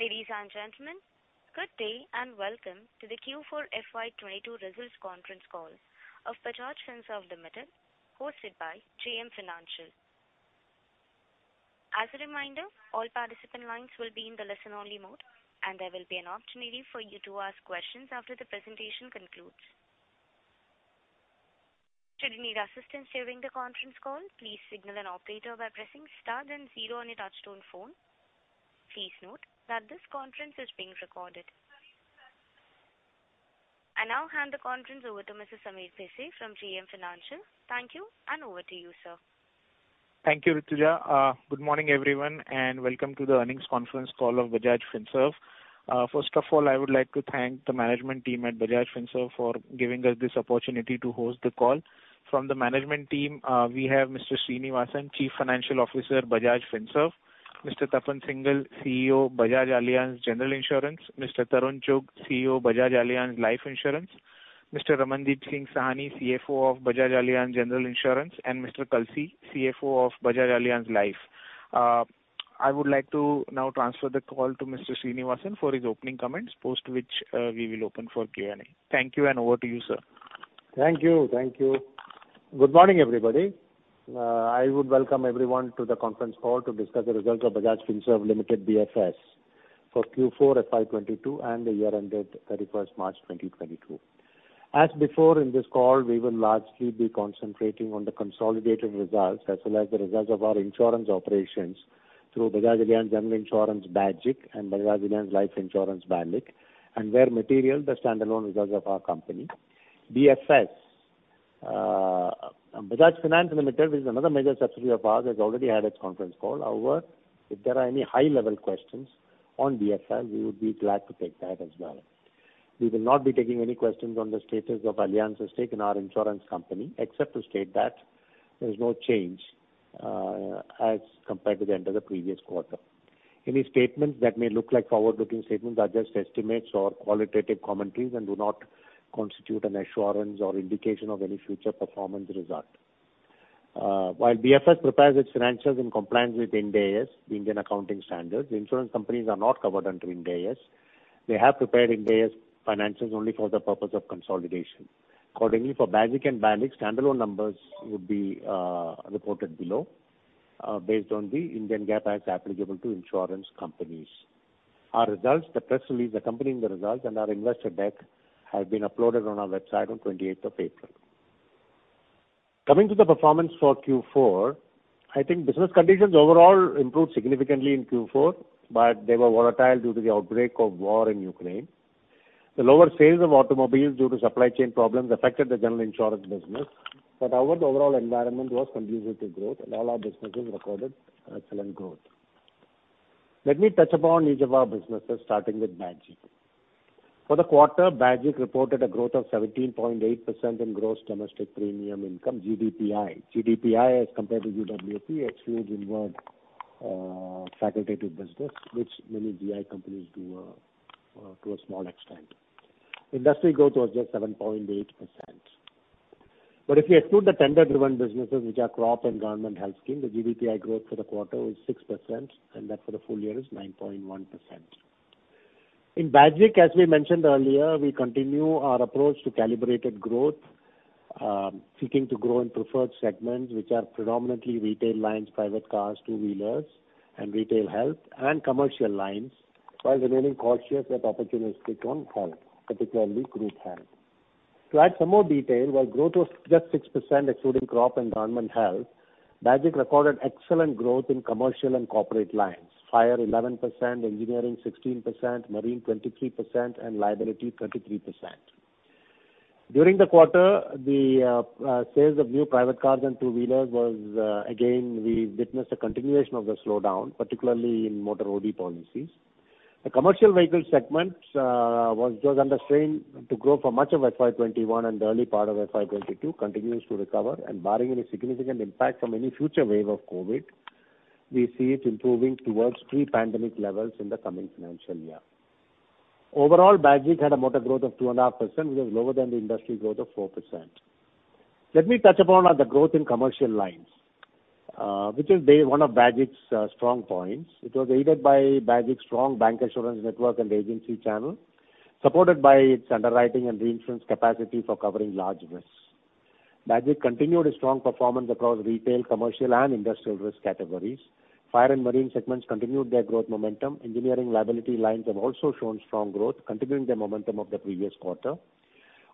Ladies and gentlemen, good day and welcome to the Q4 FY 2022 results conference call of Bajaj Finserv Limited, hosted by JM Financial. As a reminder, all participant lines will be in the listen-only mode and there will be an opportunity for you to ask questions after the presentation concludes. Should you need assistance during the conference call, please signal an operator by pressing star then zero on your touch-tone phone. Please note that this conference is being recorded. I now hand the conference over to Mr. Sameer Bhise from JM Financial. Thank you, and over to you, sir. Thank you, Rituja. Good morning, everyone, and welcome to the earnings conference call of Bajaj Finserv. First of all, I would like to thank the management team at Bajaj Finserv for giving us this opportunity to host the call. From the management team, we have Mr. Sreenivasan, Chief Financial Officer, Bajaj Finserv; Mr. Tapan Singhel, CEO, Bajaj Allianz General Insurance; Mr. Tarun Chugh CEO, Bajaj Allianz Life Insurance; Mr. Ramandeep Singh Sahni, CFO of Bajaj Allianz General Insurance; and Mr. Bharat Kalsi, CFO of Bajaj Allianz Life. I would like to now transfer the call to Mr. S. Sreenivasan for his opening comments, after which, we will open for Q&A. Thank you, and over to you, sir. Thank you. Thank you. Good morning, everybody. I would welcome everyone to the conference call to discuss the results of Bajaj Finserv Limited, BFS, for Q4 FY 2022 and the year ended 31st March 2022. As before, in this call, we will largely be concentrating on the consolidated results as well as the results of our insurance operations through Bajaj Allianz General Insurance, BAGIC, and Bajaj Allianz Life Insurance, BALIC, and where material, the standalone results of our company. BFS, Bajaj Finance Limited is another major subsidiary of ours that's already had its conference call. However, if there are any high-level questions on BFL, we would be glad to take that as well. We will not be taking any questions on the status of Allianz's stake in our insurance company except to state that there is no change, as compared to the end of the previous quarter. Any statements that may look like forward-looking statements are just estimates or qualitative commentaries and do not constitute an assurance or indication of any future performance result. While BFS prepares its financials in compliance with Ind AS, Indian Accounting Standards, the insurance companies are not covered under Ind AS. They have prepared Ind AS financials only for the purpose of consolidation. Accordingly, for BAGIC and BALIC, standalone numbers would be reported below, based on the Indian GAAP applicable to insurance companies. Our results, the press release accompanying the results and our investor deck have been uploaded on our website on 28th of April. Coming to the performance for Q4, I think business conditions overall improved significantly in Q4, but they were volatile due to the outbreak of war in Ukraine. The lower sales of automobiles due to supply chain problems affected the general insurance business. However, the overall environment was conducive to growth and all our businesses recorded excellent growth. Let me touch upon each of our businesses starting with BAGIC. For the quarter, BAGIC reported a growth of 17.8% in gross domestic premium income, GDPI. GDPI, as compared to GWP, excludes inward, facultative business which many GI companies do, to a small extent. Industry growth was just 7.8%. If you exclude the tender-driven businesses which are crop and government health scheme, the GDPI growth for the quarter was 6%, and that for the full year is 9.1%. In BAGIC, as we mentioned earlier, we continue our approach to calibrated growth, seeking to grow in preferred segments which are predominantly retail lines, private cars, two-wheelers and retail health and commercial lines, while remaining cautious yet opportunistic on health, particularly group health. To add some more detail, while growth was just 6% excluding crop and government health, BAGIC recorded excellent growth in commercial and corporate lines. Fire 11%, engineering 16%, marine 23% and liability 33%. During the quarter, the sales of new private cars and two-wheelers was, again, we've witnessed a continuation of the slowdown, particularly in motor OD policies. The commercial vehicle segment was just under strain to grow for much of FY 2021 and the early part of FY 2022 continues to recover, and barring any significant impact from any future wave of COVID, we see it improving towards pre-pandemic levels in the coming financial year. Overall, BAGIC had a moderate growth of 2.5%, which was lower than the industry growth of 4%. Let me touch upon the growth in commercial lines, which is day one of BAGIC's strong points. It was aided by BAGIC's strong bank insurance network and agency channel, supported by its underwriting and reinsurance capacity for covering large risks. BAGIC continued a strong performance across retail, commercial and industrial risk categories. Fire and marine segments continued their growth momentum. Engineering liability lines have also shown strong growth, continuing the momentum of the previous quarter.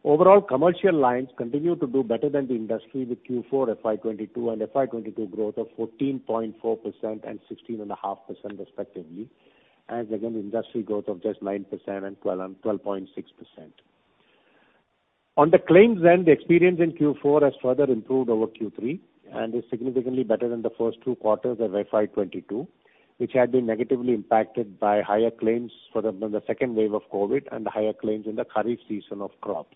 Overall, commercial lines continue to do better than the industry with Q4 FY 2022 and FY 2022 growth of 14.4% and 16.5% respectively, as again industry growth of just 9% and 12.6%. On the claims end, the experience in Q4 has further improved over Q3 and is significantly better than the first two quarters of FY 2022, which had been negatively impacted by higher claims for the second wave of COVID and higher claims in the Kharif season of crop.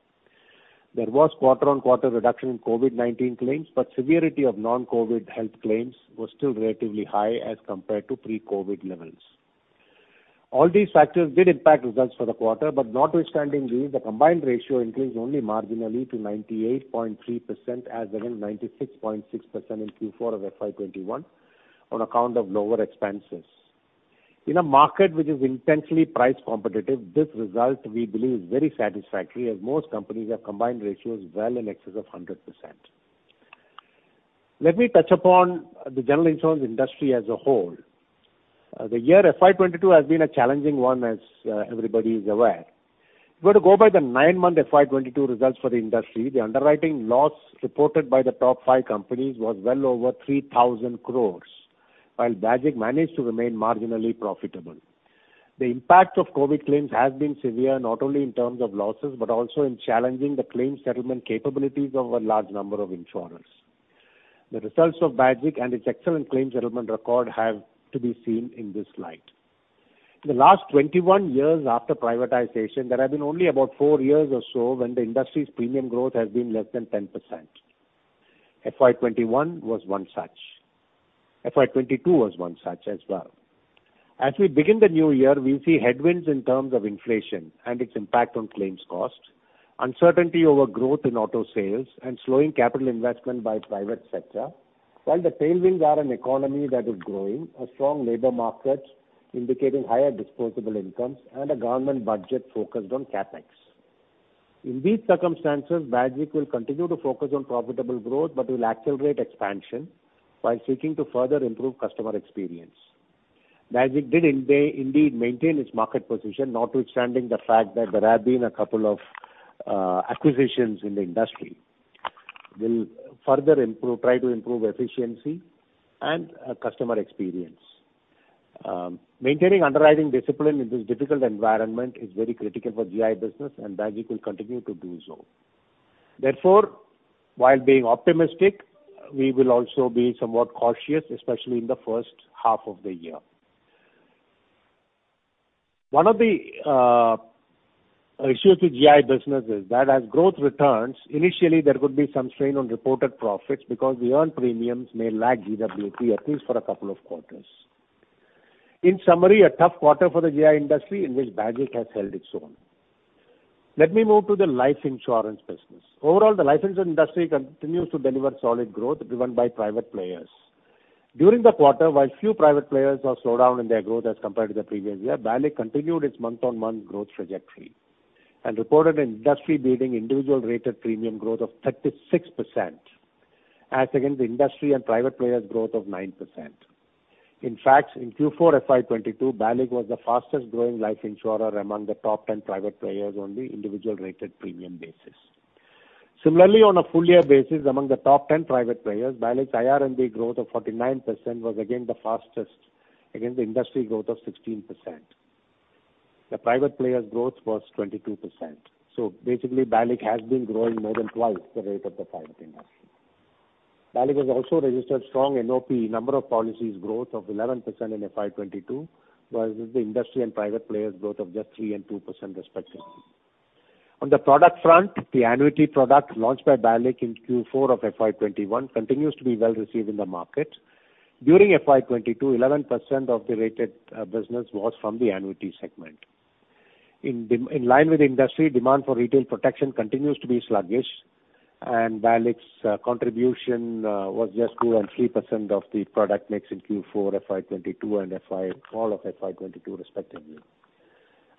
There was quarter-on-quarter reduction in COVID-19 claims, but severity of non-COVID health claims was still relatively high as compared to pre-COVID levels. All these factors did impact results for the quarter, but notwithstanding these, the combined ratio increased only marginally to 98.3% as against 96.6% in Q4 of FY 2021 on account of lower expenses. In a market which is intensely price competitive, this result we believe is very satisfactory as most companies have combined ratios well in excess of 100%. Let me touch upon the general insurance industry as a whole. The year FY 2022 has been a challenging one, as everybody is aware. If you were to go by the nine-month FY 2022 results for the industry, the underwriting loss reported by the top five companies was well over 3,000 crore, while BAGIC managed to remain marginally profitable. The impact of COVID claims has been severe, not only in terms of losses, but also in challenging the claims settlement capabilities of a large number of insurers. The results of BAGIC and its excellent claims settlement record have to be seen in this light. In the last 21 years after privatization, there have been only about four years or so when the industry's premium growth has been less than 10%. FY 2021 was one such. FY 2022 was one such as well. As we begin the new year, we see headwinds in terms of inflation and its impact on claims costs, uncertainty over growth in auto sales and slowing capital investment by private sector, while the tailwinds are an economy that is growing, a strong labor market indicating higher disposable incomes, and a government budget focused on CapEx. In these circumstances, BAGIC will continue to focus on profitable growth, but will accelerate expansion while seeking to further improve customer experience. BAGIC did indeed maintain its market position, notwithstanding the fact that there have been a couple of acquisitions in the industry. We will try to improve efficiency and customer experience. Maintaining underwriting discipline in this difficult environment is very critical for GI business, and BAGIC will continue to do so. Therefore, while being optimistic, we will also be somewhat cautious, especially in the first half of the year. One of the issues with GI business is that as growth returns, initially there could be some strain on reported profits because the earned premiums may lag GWP at least for a couple of quarters. In summary, a tough quarter for the GI industry in which BAGIC has held its own. Let me move to the life insurance business. Overall, the life insurance industry continues to deliver solid growth driven by private players. During the quarter, while few private players have slowed down in their growth as compared to the previous year, BALIC continued its month-on-month growth trajectory and reported an industry-leading individual rated premium growth of 36% as against the industry and private players' growth of 9%. In fact, in Q4 FY 2022, Bajaj was the fastest-growing life insurer among the top 10 private players on the individual rated premium basis. Similarly, on a full-year basis, among the top 10 private players, BALIC's IRNB growth of 49% was again the fastest against the industry growth of 16%. The private players' growth was 22%. Basically, BALIC has been growing more than twice the rate of the private industry. BALIC has also registered strong NOP, number of policies growth of 11% in FY 2022, versus the industry and private players' growth of just 3% and 2% respectively. On the product front, the annuity product launched by Bajaj in Q4 of FY 2021 continues to be well received in the market. During FY 2022, 11% of the rated business was from the annuity segment. In line with the industry, demand for retail protection continues to be sluggish, and BALIC's contribution was just 2% and 3% of the product mix in Q4 FY 2022 and all of FY 2022 respectively.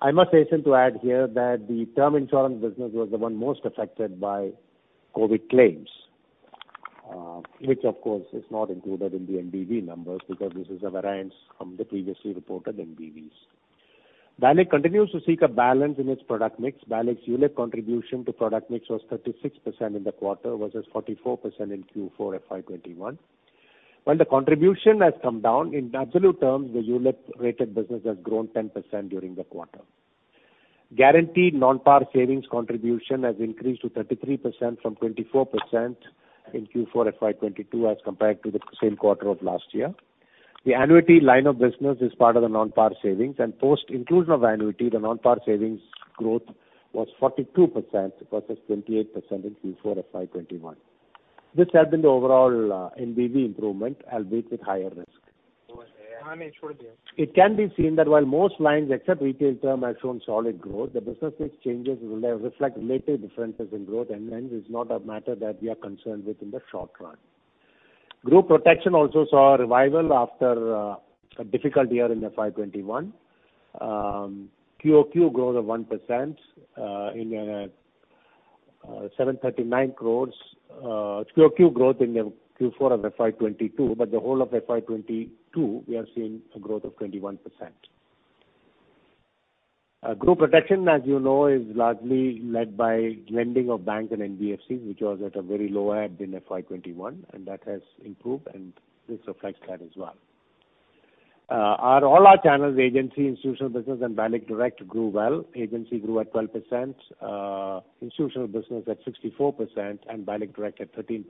I must hasten to add here that the term insurance business was the one most affected by COVID claims, which of course is not included in the NBV numbers because this is a variance from the previously reported NBVs. BALIC continues to seek a balance in its product mix. BALIC's ULIP contribution to product mix was 36% in the quarter versus 44% in Q4 FY 2021. While the contribution has come down, in absolute terms, the ULIP rated business has grown 10% during the quarter. Guaranteed non-par savings contribution has increased to 33% from 24% in Q4 FY 2022 as compared to the same quarter of last year. The annuity line of business is part of the non-par savings, and post inclusion of annuity, the non-par savings growth was 42% versus 28% in Q4 FY 2021. This helped in the overall NBV improvement, albeit with higher risk. It can be seen that while most lines except retail term have shown solid growth, the business mix changes will reflect relative differences in growth and hence is not a matter that we are concerned with in the short run. Group protection also saw a revival after a difficult year in FY 2021. QoQ growth of 1% in 739 crore. QoQ growth in the Q4 of FY 2022, but the whole of FY 2022, we have seen a growth of 21%. Group protection, as you know, is largely led by lending of banks and NBFCs, which was at a very low ebb in FY 2021, and that has improved and this reflects that as well. All our channels, agency, institutional business and BALIC Direct grew well. Agency grew at 12%, institutional business at 64%, and BALIC Direct at 13%.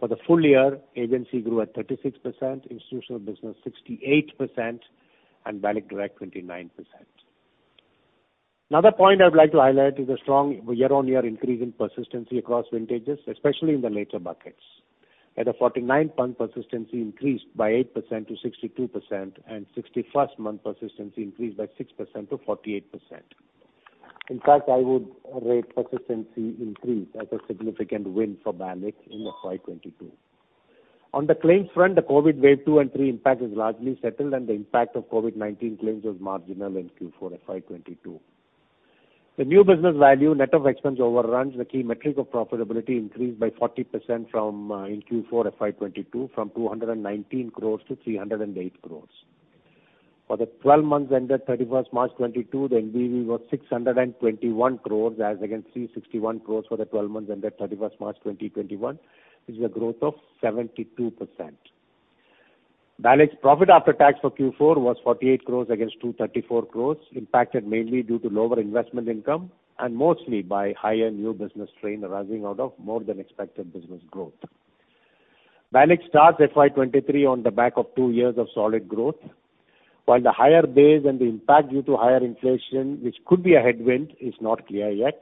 For the full year, agency grew at 36%, institutional business 68%, and BALIC Direct 29%. Another point I'd like to highlight is the strong year-on-year increase in persistency across vintages, especially in the later buckets. At a 49th-month persistency increased by 8% to 62% and 61st-month persistency increased by 6% to 48%. In fact, I would rate persistency increase as a significant win for BALIC in FY 2022. On the claims front, the COVID wave two and three impact is largely settled, and the impact of COVID-19 claims was marginal in Q4 FY 2022. The new business value net of expense overruns the key metric of profitability increased by 40% from in Q4 FY 2022 from 219 crore to 308 crore. For the twelve months ended 31st March 2022, the NBV was 621 crore as against 361 crore for the 12 months ended 31st March 2021, which is a growth of 72%. BALIC's profit after tax for Q4 was 48 crore against 234 crore, impacted mainly due to lower investment income and mostly by higher new business strain arising out of more than expected business growth. BALIC starts FY 2023 on the back of two years of solid growth. While the higher base and the impact due to higher inflation, which could be a headwind, is not clear yet,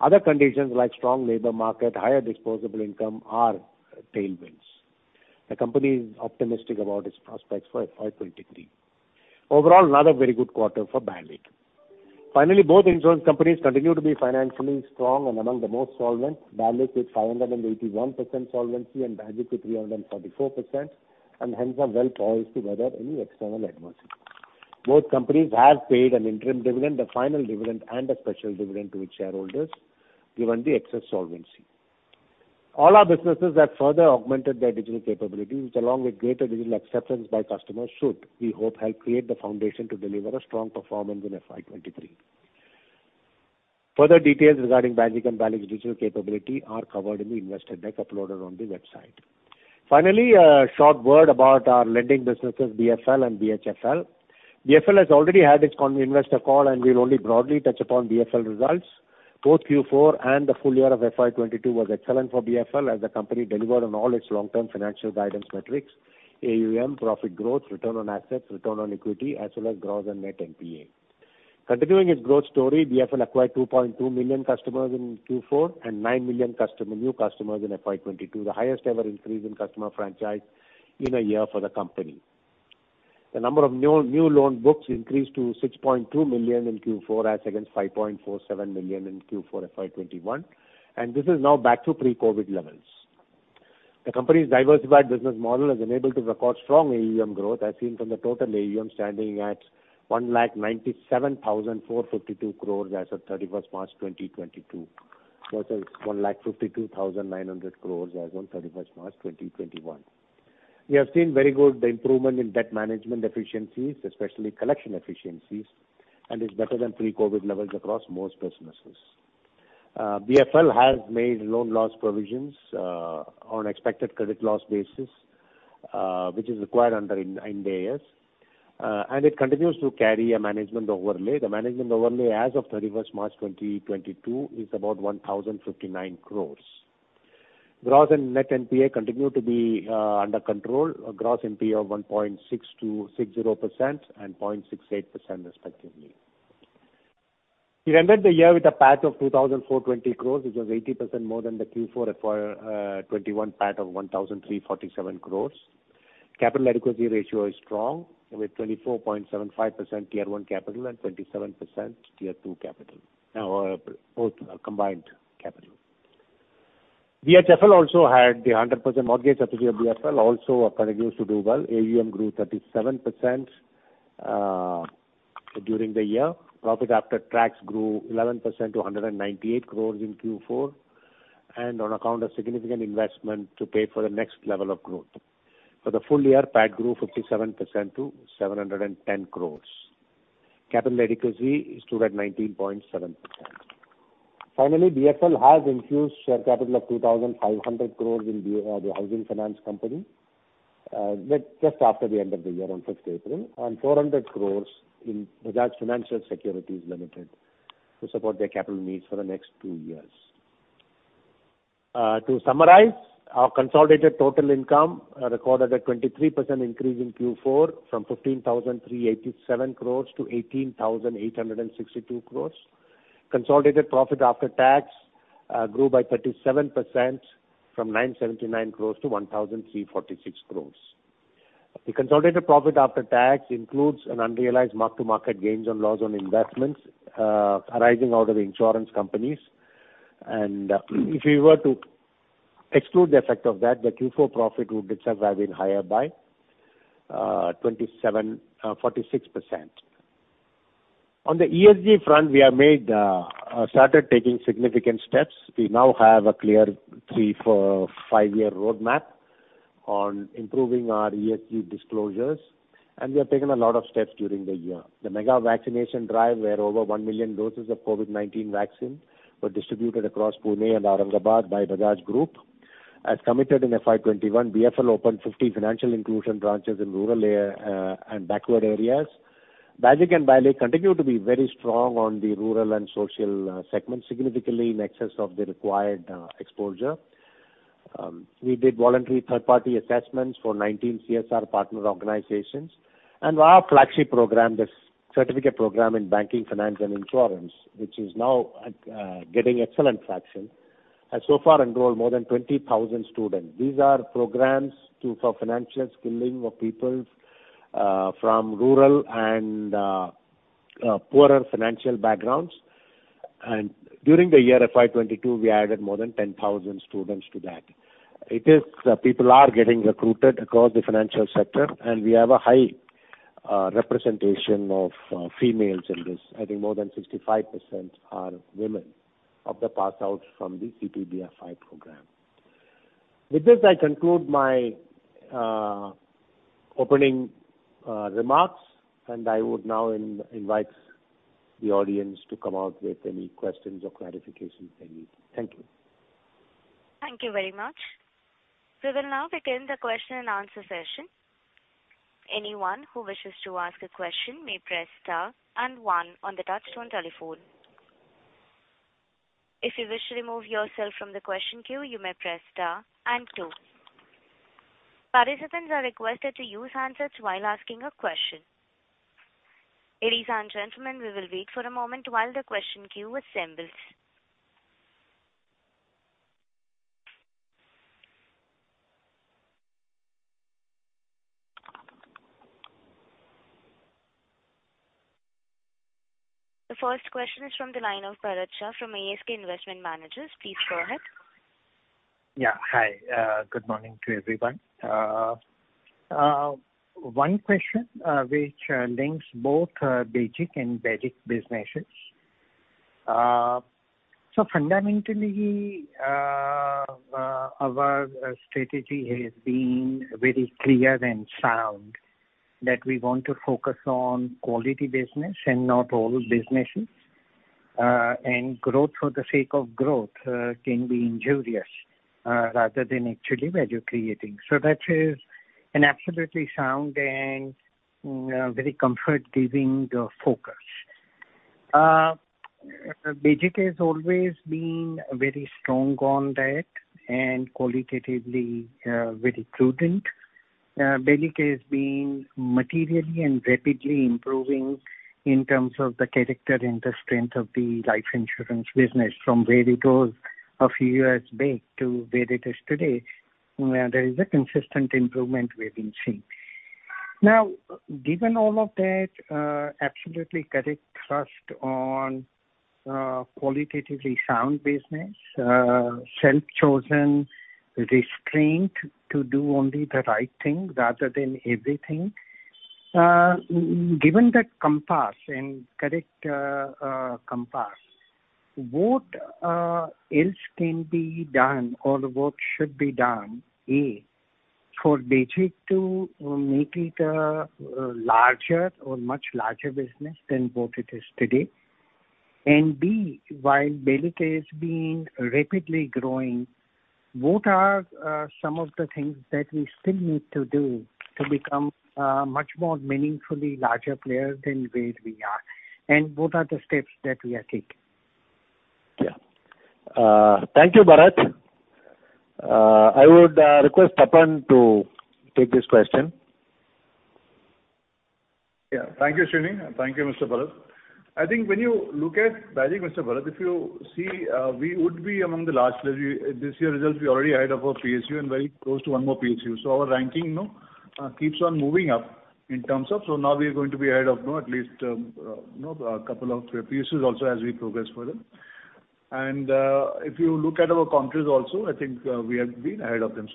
other conditions like strong labor market, higher disposable income are tailwinds. The company is optimistic about its prospects for FY 2023. Overall, another very good quarter for BALIC. Finally, both insurance companies continue to be financially strong and among the most solvent, BALIC with 581% solvency and BAGIC with 344% and hence are well poised to weather any external adversity. Both companies have paid an interim dividend, a final dividend and a special dividend to its shareholders given the excess solvency. All our businesses have further augmented their digital capabilities, which along with greater digital acceptance by customers should, we hope, help create the foundation to deliver a strong performance in FY 2023. Further details regarding BAGIC and BALIC's digital capability are covered in the investor deck uploaded on the website. Finally, a short word about our lending businesses, BFL and BHFL. BFL has already had its concall, and we'll only broadly touch upon BFL results. Both Q4 and the full year of FY 2022 was excellent for BFL as the company delivered on all its long-term financial guidance metrics, AUM, profit growth, return on assets, return on equity, as well as gross and net NPA. Continuing its growth story, BFL acquired 2.2 million customers in Q4 and 9 million new customers in FY 2022, the highest ever increase in customer franchise in a year for the company. The number of new loan books increased to 6.2 million in Q4 as against 5.47 million in Q4 FY 2021, and this is now back to pre-COVID levels. The company's diversified business model has enabled to record strong AUM growth as seen from the total AUM standing at 1,97,452 crore as of March 31st, 2022 versus 1,52,900 crore as on March 31st, 2021. We have seen very good improvement in debt management efficiencies, especially collection efficiencies, and is better than pre-COVID levels across most businesses. BFL has made loan loss provisions on expected credit loss basis, which is required under Ind AS. It continues to carry a management overlay. The management overlay as of March 31st, 2022 is about 1,059 crore. Gross and net NPA continue to be under control. Gross NPA of 1.60% and 0.68% respectively. We've ended the year with a PAT of 2,420 crore, which was 80% more than the Q4 FY 2021 PAT of 1,347 crore. Capital adequacy ratio is strong with 24.75% Tier I capital and 27% Tier II capital. Both are combined capital. BHFL also had the hundred percent mortgage subsidiary of BFL also continues to do well. AUM grew 37% during the year. Profit after tax grew 11% to 198 crore in Q4 and on account of significant investment to pay for the next level of growth. For the full year, PAT grew 57% to 710 crore. Capital adequacy stood at 19.7%. Finally, BFL has increased share capital of 2,500 crore in the housing finance company just after the end of the year on 5th April, and 400 crores in Bajaj Financial Securities Limited to support their capital needs for the next two years. To summarize, our consolidated total income recorded a 23% increase in Q4 from 15,387 crore to 18,862 crore. Consolidated profit after tax grew by 37% from 979 crore to 1,346 crore. The consolidated profit after tax includes an unrealized mark-to-market gains and loss on investments arising out of insurance companies. If we were to exclude the effect of that, the Q4 profit would itself have been higher by 27%-46%. On the ESG front, we have started taking significant steps. We now have a clear three, four, 5-year roadmap on improving our ESG disclosures, and we have taken a lot of steps during the year. The mega vaccination drive, where over 1 million doses of COVID-19 vaccine were distributed across Pune and Aurangabad by Bajaj Group. As committed in FY 2021, BFL opened 50 financial inclusion branches in rural area and backward areas. BAGIC and BALIC continue to be very strong on the rural and social segments, significantly in excess of the required exposure. We did voluntary third-party assessments for 19 CSR partner organizations and our flagship program, this certificate program in banking, finance and insurance, which is now getting excellent traction, has so far enrolled more than 20,000 students. These are programs for financial skilling of people from rural and poorer financial backgrounds. During the year FY 2022, we added more than 10,000 students to that. People are getting recruited across the financial sector, and we have a high representation of females in this. I think more than 65% are women of the pass out from the CPBFI program. With this, I conclude my opening remarks, and I would now invite the audience to come out with any questions or clarifications they need. Thank you. Thank you very much. We will now begin the question and answer session. Anyone who wishes to ask a question may press star and one on the touch-tone telephone. If you wish to remove yourself from the question queue you may press star and two. Participants are requested to use handsets while asking a question. Ladies and gentlemen, we will wait for a moment while the question queue assembles. The first question is from the line of Bharat Shah from ASK Investment Managers. Please go ahead. Yeah. Hi. Good morning to everyone. One question, which links both BAGIC and BALIC businesses. Fundamentally, our strategy has been very clear and sound that we want to focus on quality business and not all businesses. Growth for the sake of growth can be injurious rather than actually value creating. That is an absolutely sound and very comfort giving focus. BAGIC has always been very strong on that and qualitatively very prudent. BALIC has been materially and rapidly improving in terms of the character and the strength of the life insurance business from where it was a few years back to where it is today, where there is a consistent improvement we've been seeing. Now, given all of that, absolutely correct trust in a qualitatively sound business, self-chosen restraint to do only the right thing rather than everything. Given that compass and correct compass, what else can be done or what should be done, A, for BAGIC to make it a larger or much larger business than what it is today? And B, while BALIC is being rapidly growing, what are some of the things that we still need to do to become a much more meaningfully larger player than where we are? And what are the steps that we are taking? Yeah. Thank you, Bharat. I would request Tapan to take this question. Yeah. Thank you, Sreeni. Thank you, Mr. Bharat. I think when you look at value, Mr. Bharat. If you see, we would be among the largest. This year's results we already ahead of our PSU and very close to one more PSU. Our ranking, you know, keeps on moving up in terms of. Now we are going to be ahead of, you know, at least a couple of PSUs also as we progress further. If you look at our competitors also, I think we have been ahead of them.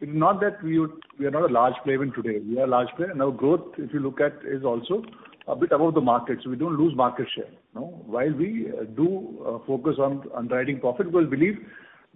It's not that we are not a large player today. We are a large player. Our growth, if you look at, is also a bit above the market. We don't lose market share, you know. While we do focus on underwriting profit, we believe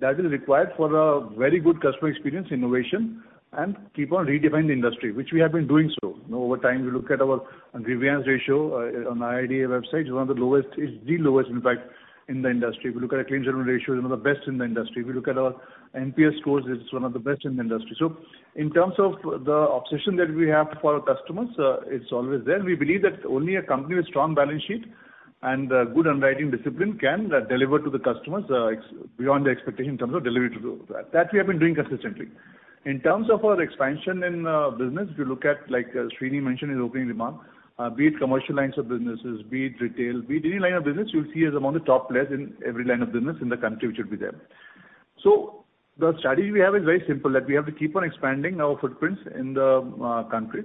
that is required for a very good customer experience, innovation and keep on redefining the industry which we have been doing so. You know, over time you look at our grievance ratio on IRDA website, it's one of the lowest. It's the lowest in fact in the industry. If you look at our claim settlement ratio, it's one of the best in the industry. If you look at our NPS scores, it's one of the best in the industry. So in terms of the obsession that we have for our customers, it's always there. We believe that only a company with strong balance sheet and good underwriting discipline can deliver to the customers beyond the expectation in terms of delivery to the customer. That we have been doing consistently. In terms of our expansion in business, if you look at like Sreeni mentioned in his opening remark, be it commercial lines of businesses, be it retail, be it any line of business, you'll see us among the top players in every line of business in the country which we be there. The strategy we have is very simple, that we have to keep on expanding our footprints in the country.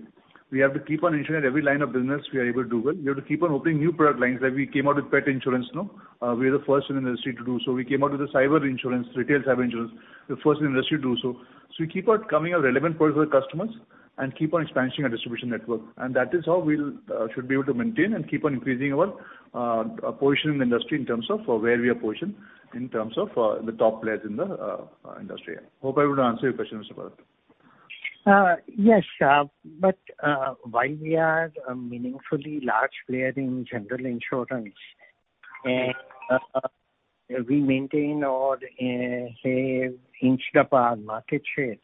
We have to keep on ensuring every line of business we are able to do well. We have to keep on opening new product lines, like we came out with pet insurance, no. We are the first in the industry to do so. We came out with the cyber insurance, retail cyber insurance, the first in the industry to do so. We keep on coming up with relevant products for the customers and keep on expanding our distribution network. That is how we'll be able to maintain and keep on increasing our position in the industry in terms of where we are positioned in terms of the top players in the industry. Hope I would answer your question, Mr. Bharat. Yes. But while we are a meaningfully large player in general insurance and we maintain or say inch upon market share,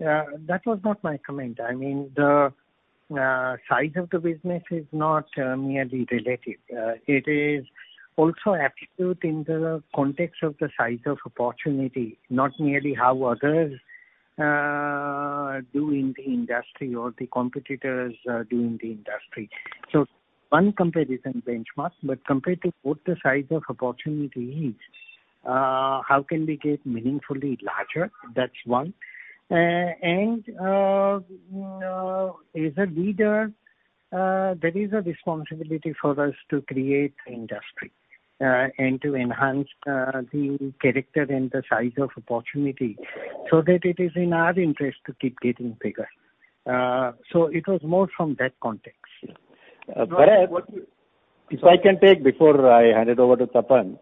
that was not my comment. I mean the size of the business is not merely related. It is also absolute in the context of the size of opportunity, not merely how others do in the industry or the competitors do in the industry. One comparison benchmark, but compared to what the size of opportunity is, how can we get meaningfully larger? That's one. You know, as a leader, there is a responsibility for us to create industry and to enhance the character and the size of opportunity so that it is in our interest to keep getting bigger. It was more from that context. Bharat, if I can take before I hand it over to Tapan.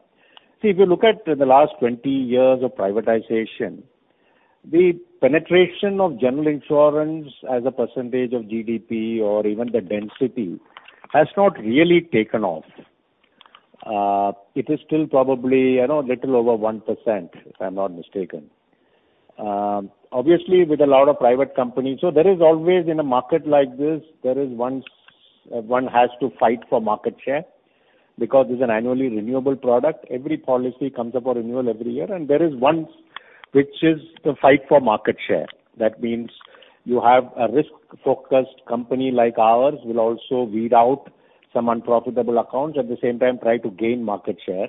See, if you look at the last 20 years of privatization, the penetration of general insurance as a percentage of GDP or even the density has not really taken off. It is still probably, you know, little over 1%, if I'm not mistaken. Obviously with a lot of private companies. There is always, in a market like this, one has to fight for market share because it's an annually renewable product. Every policy comes up for renewal every year, and there is one which is the fight for market share. That means you have a risk-focused company like ours will also weed out some unprofitable accounts, at the same time try to gain market share.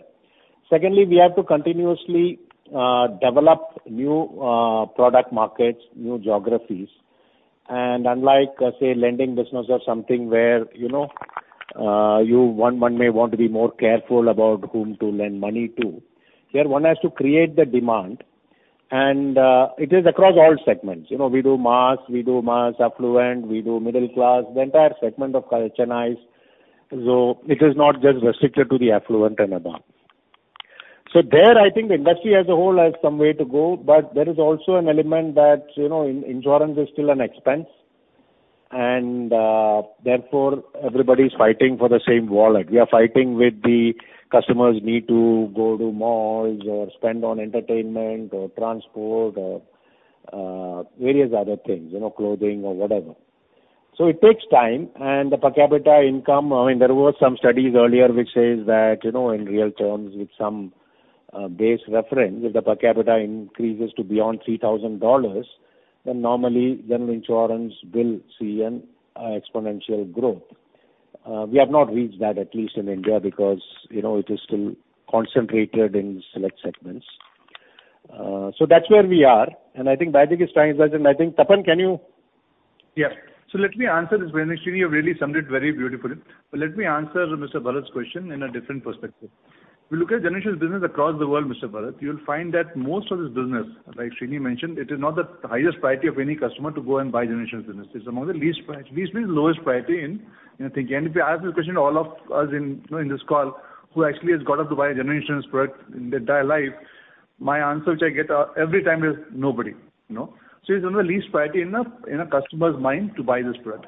Secondly, we have to continuously develop new product markets, new geographies. Unlike, say, lending business or something where, you know, one may want to be more careful about whom to lend money to. Here one has to create the demand and, it is across all segments. You know, we do mass, we do mass affluent, we do middle class, the entire segment of urbanized. It is not just restricted to the affluent and above. There I think the industry as a whole has some way to go, but there is also an element that, you know, insurance is still an expense and, therefore everybody's fighting for the same wallet. We are fighting with the customers need to go to malls or spend on entertainment or transport or, various other things, you know, clothing or whatever. It takes time and the per capita income, I mean, there were some studies earlier which says that, you know, in real terms, with some base reference, if the per capita increases to beyond $3,000, then normally general insurance will see an exponential growth. We have not reached that, at least in India, because, you know, it is still concentrated in select segments. That's where we are, and I think BAGIC is trying as well. I think Tapan, can you? Yeah. Let me answer this. Sreeni, you've really summed it very beautifully. Let me answer Mr. Bharat's question in a different perspective. If you look at general insurance business across the world, Mr. Bharat, you'll find that most of this business, like Sreeni mentioned, it is not the highest priority of any customer to go and buy general insurance business. It's among the least means lowest priority in thinking. If you ask this question to all of us in, you know, in this call, who actually has got up to buy a general insurance product in their entire life, my answer which I get every time is nobody, you know. It's on the least priority in a customer's mind to buy this product.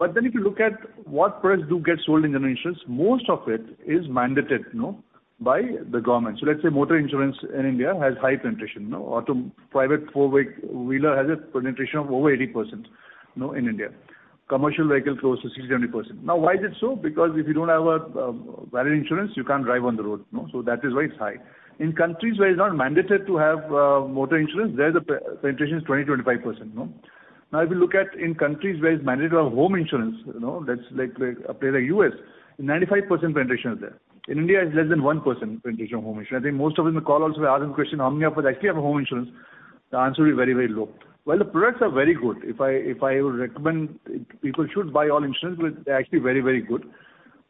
If you look at what products do get sold in general insurance, most of it is mandated, you know, by the government. Let's say motor insurance in India has high penetration, you know. Private four-wheeler has a penetration of over 80%, you know, in India. Commercial vehicle close to 60%-70%. Now why is it so? Because if you don't have a valid insurance, you can't drive on the road, you know. That is why it's high. In countries where it's not mandated to have motor insurance, there the penetration is 20%-25%, you know. Now, if you look at in countries where it's mandatory to have home insurance, you know, that's like a place like U.S., 95% penetration is there. In India, it's less than 1% penetration of home insurance. I think most of us in the call also if I ask the question, how many of us actually have a home insurance? The answer will be very, very low. Well, the products are very good. If I would recommend people should buy all insurance because they're actually very, very good.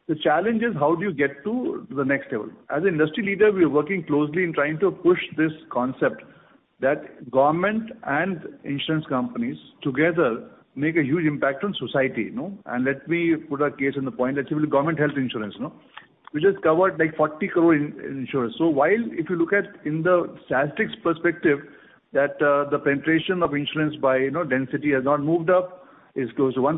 The challenge is how do you get to the next level? As an industry leader, we are working closely in trying to push this concept that government and insurance companies together make a huge impact on society, you know. Let me put a case on the point. Let's say with government health insurance, you know, which has covered like 40 crore in insurance. So while if you look at in the statistics perspective that, the penetration of insurance by, you know, density has not moved up, is close to 1%.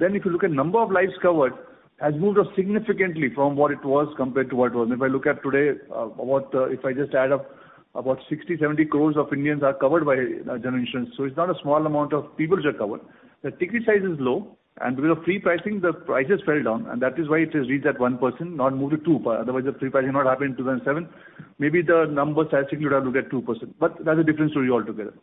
If you look at number of lives covered has moved up significantly from what it was compared to what it was. If I look at today, about, if I just add up about 60%-70% crore Indians are covered by general insurance. So it's not a small amount of people which are covered. The ticket size is low, and because of free pricing, the prices fell down and that is why it has reached at 1%, not moved to 2% otherwise if free pricing had not happened in 2007, maybe the numbers statistically would have looked at 2%, but that's a different story altogether.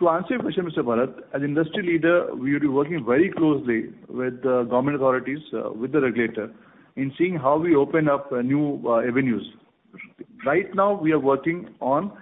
To answer your question, Mr. Bharat, as industry leader, we would be working very closely with the government authorities, with the regulator in seeing how we open up new avenues. Right now we are working on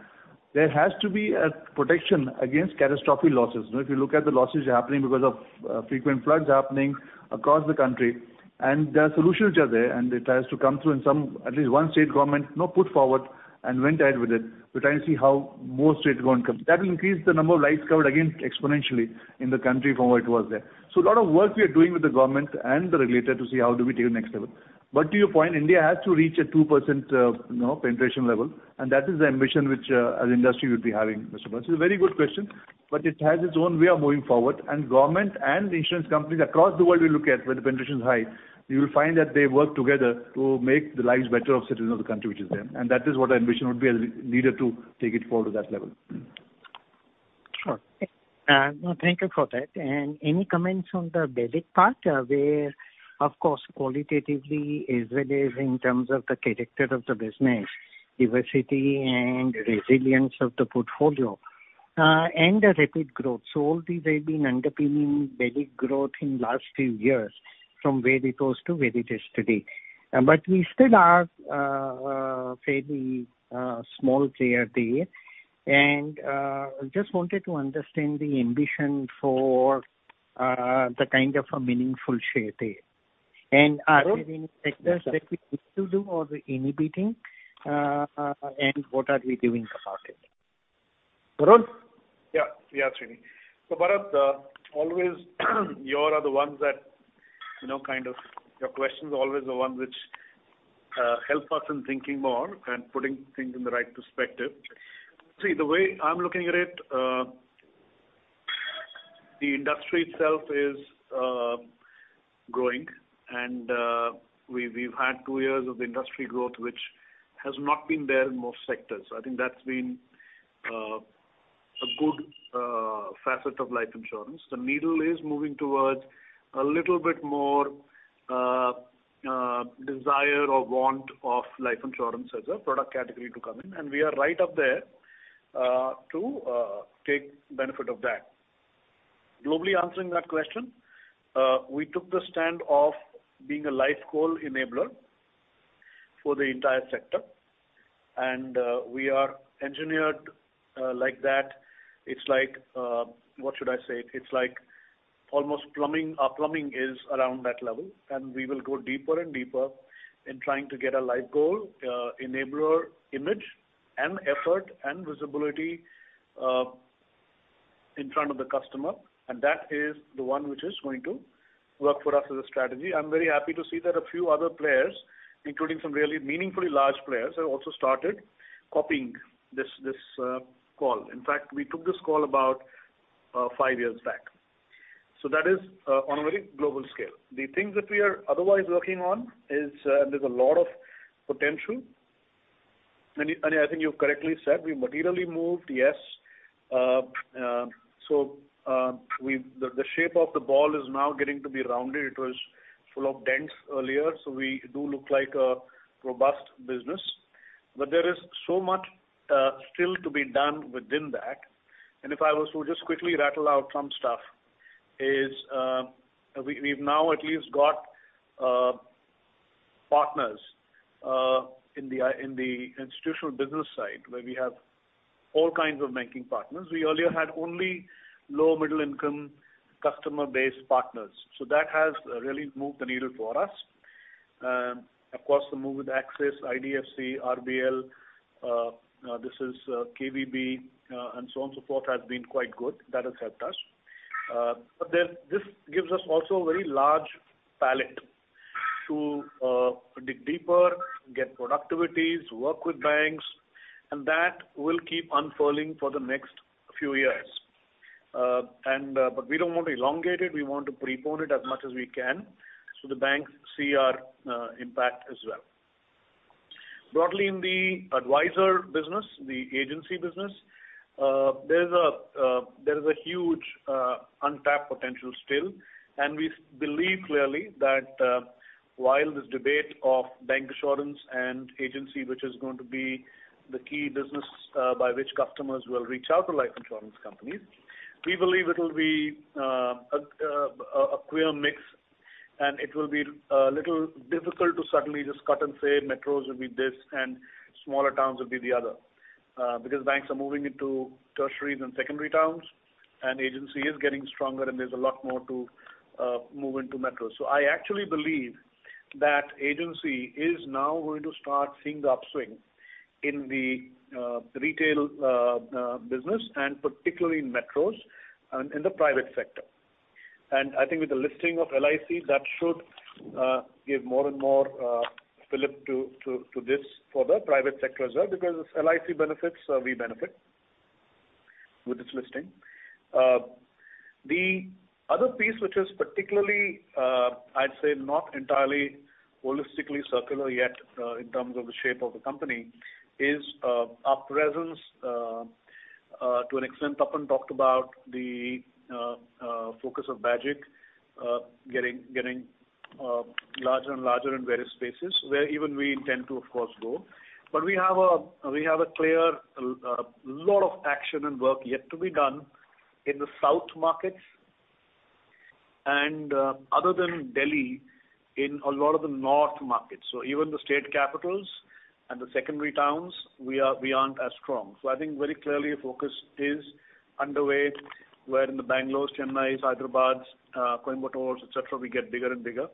there has to be a protection against catastrophic losses. You know, if you look at the losses happening because of frequent floods happening across the country and there are solutions which are there and it has to come through in some at least one state government, you know, put forward and went ahead with it. We're trying to see how more state governments come. That will increase the number of lives covered again exponentially in the country from what it was there. So a lot of work we are doing with the government and the regulator to see how do we take it next level. To your point, India has to reach a 2%, you know, penetration level, and that is the ambition which, as an industry we'll be having, Mr. Bharat. It's a very good question, but it has its own way of moving forward. Government and insurance companies across the world we look at where the penetration is high, you will find that they work together to make the lives better of citizens of the country which is there. That is what our ambition would be as a leader to take it forward to that level. Sure. No, thank you for that. Any comments on the BALIC part, where of course, qualitatively as well as in terms of the character of the business, diversity and resilience of the portfolio, and the rapid growth. All these have been underpinning BALIC growth in last few years from where it was to where it is today. We still are fairly small player there. Just wanted to understand the ambition for the kind of a meaningful share there. Are there any sectors that we need to enter or are we entering, and what are we doing about it? Tarun? Yeah. Yeah, Sreeni. Bharat, you are always the ones that, you know, kind of your questions are always the ones which help us in thinking more and putting things in the right perspective. See, the way I'm looking at it, the industry itself is growing and we've had two years of industry growth which has not been there in most sectors. I think that's been a good facet of life insurance. The needle is moving towards a little bit more desire or want of life insurance as a product category to come in, and we are right up there to take benefit of that. Globally answering that question, we took the stand of being a life goal enabler for the entire sector, and we are engineered like that. It's like, what should I say? It's like almost plumbing. Our plumbing is around that level, and we will go deeper and deeper in trying to get a life goal enabler image and effort and visibility in front of the customer, and that is the one which is going to work for us as a strategy. I'm very happy to see that a few other players, including some really meaningfully large players, have also started copying this call. In fact, we took this call about five years back. That is on a very global scale. The things that we are otherwise working on is, and there's a lot of potential, and I think you've correctly said we materially moved. Yes. We've the shape of the ball is now getting to be rounded. It was full of dents earlier, so we do look like a robust business. There is so much still to be done within that. If I was to just quickly rattle out some stuff is, we've now at least got partners in the institutional business side where we have all kinds of banking partners. We earlier had only low middle income customer base partners. That has really moved the needle for us. Of course the move with Axis, IDFC, RBL, KVB, and so on so forth has been quite good. That has helped us. This gives us also a very large palette to dig deeper, get productivities, work with banks, and that will keep unfurling for the next few years. We don't want to elongate it. We want to prepone it as much as we can so the banks see our impact as well. Broadly in the advisor business, the agency business, there's a huge untapped potential still, and we believe clearly that while this debate of bancassurance and agency, which is going to be the key business by which customers will reach out to life insurance companies, we believe it'll be a clear mix, and it will be a little difficult to suddenly just cut and say metros will be this and smaller towns will be the other because banks are moving into tertiaries and secondary towns and agency is getting stronger and there's a lot more to move into metros. I actually believe that agency is now going to start seeing the upswing in the retail business and particularly in metros and in the private sector. I think with the listing of LIC that should give more and more fillip to this for the private sector as well, because if LIC benefits, we benefit with this listing. The other piece which is particularly, I'd say not entirely holistically circular yet, in terms of the shape of the company is our presence to an extent Tapan talked about the focus of BAGIC getting larger and larger in various spaces where even we intend to of course go. We have a clear lot of action and work yet to be done in the south markets and other than Delhi in a lot of the north markets. Even the state capitals and the secondary towns, we aren't as strong. I think very clearly our focus is underway where in the Bangalores, Chennais, Hyderabads, Coimbatores, et cetera, we get bigger and bigger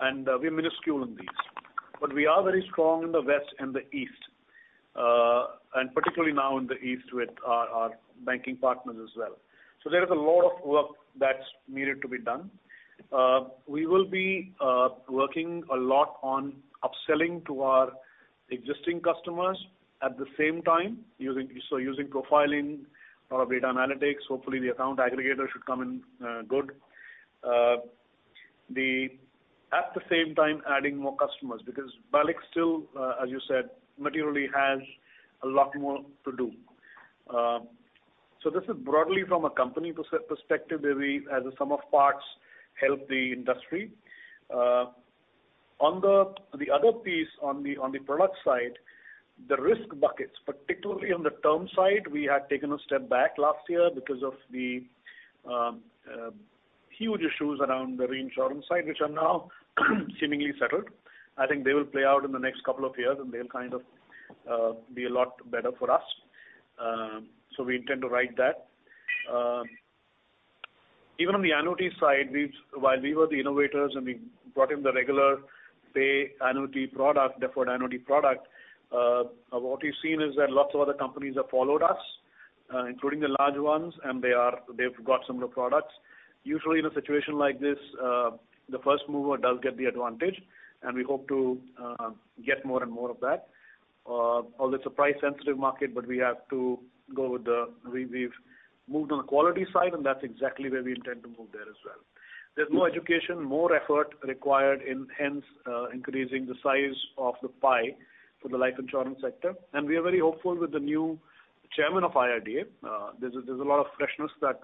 and we're minuscule in these. We are very strong in the West and the East and particularly now in the east with our banking partners as well. There is a lot of work that's needed to be done. We will be working a lot on upselling to our existing customers at the same time using profiling, a lot of data analytics. Hopefully, the account aggregator should come in, good. At the same time adding more customers because BALIC still, as you said, materially has a lot more to do. This is broadly from a company perspective where we as a sum of parts help the industry. On the other piece on the product side, the risk buckets, particularly on the term side, we had taken a step back last year because of the huge issues around the reinsurance side, which are now seemingly settled. I think they will play out in the next couple of years and they'll kind of be a lot better for us. We intend to ride that. Even on the annuity side, while we were the innovators and we brought in the regular pay annuity product, deferred annuity product, what we've seen is that lots of other companies have followed us, including the large ones, and they've got similar products. Usually in a situation like this, the first mover does get the advantage and we hope to get more and more of that. Although it's a price sensitive market, but we have to go with the. We've moved on the quality side, and that's exactly where we intend to move there as well. There's more education, more effort required and hence, increasing the size of the pie for the life insurance sector. We are very hopeful with the new Chairman of IRDA. There's a lot of freshness that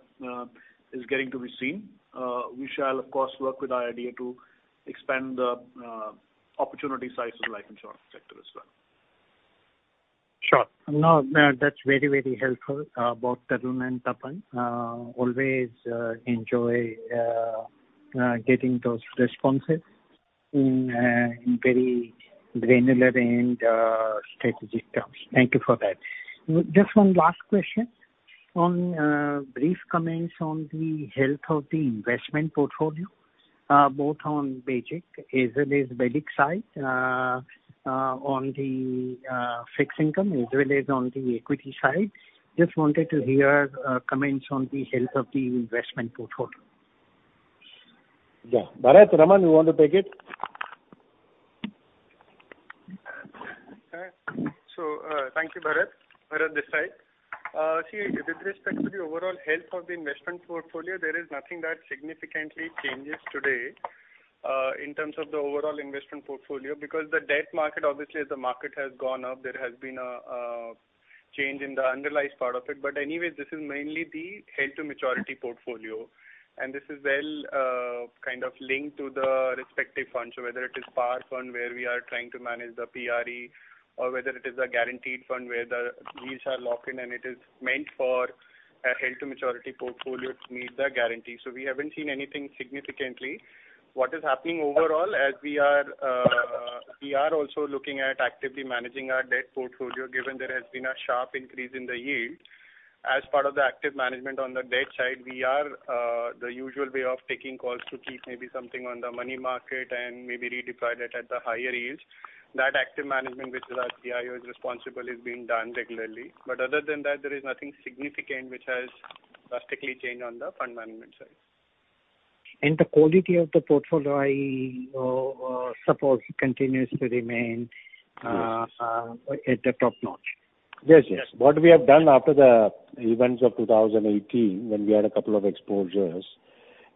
is getting to be seen. We shall of course work with IRDAI to expand the opportunity size of the life insurance sector as well. Sure. No, no, that's very, very helpful, both Tarun and Tapan. Always enjoy getting those responses in very granular and strategic terms. Thank you for that. Just one last question. Brief comments on the health of the investment portfolio, both on BAGIC as well as BALIC side, on the fixed income as well as on the equity side. Just wanted to hear comments on the health of the investment portfolio. Yeah. Bharat, Raman, you want to take it? Thank you, Bharat. Bharat this side. See with respect to the overall health of the investment portfolio, there is nothing that significantly changes today in terms of the overall investment portfolio because the debt market, obviously as the market has gone up, there has been a change in the underlying part of it. Anyways, this is mainly the held to maturity portfolio and this is well kind of linked to the respective funds. Whether it is PAR fund where we are trying to manage the PRE or whether it is a guaranteed fund where the yields are locked in and it is meant for a held to maturity portfolio to meet the guarantee. We haven't seen anything significantly. What is happening overall as we are also looking at actively managing our debt portfolio given there has been a sharp increase in the yield. As part of the active management on the debt side, the usual way of taking calls to keep maybe something on the money market and maybe redeploy that at the higher yields. That active management which the CIO is responsible is being done regularly. Other than that there is nothing significant which has drastically changed on the fund management side. The quality of the portfolio, I suppose continues to remain at the top-notch. Yes, yes. What we have done after the events of 2018 when we had a couple of exposures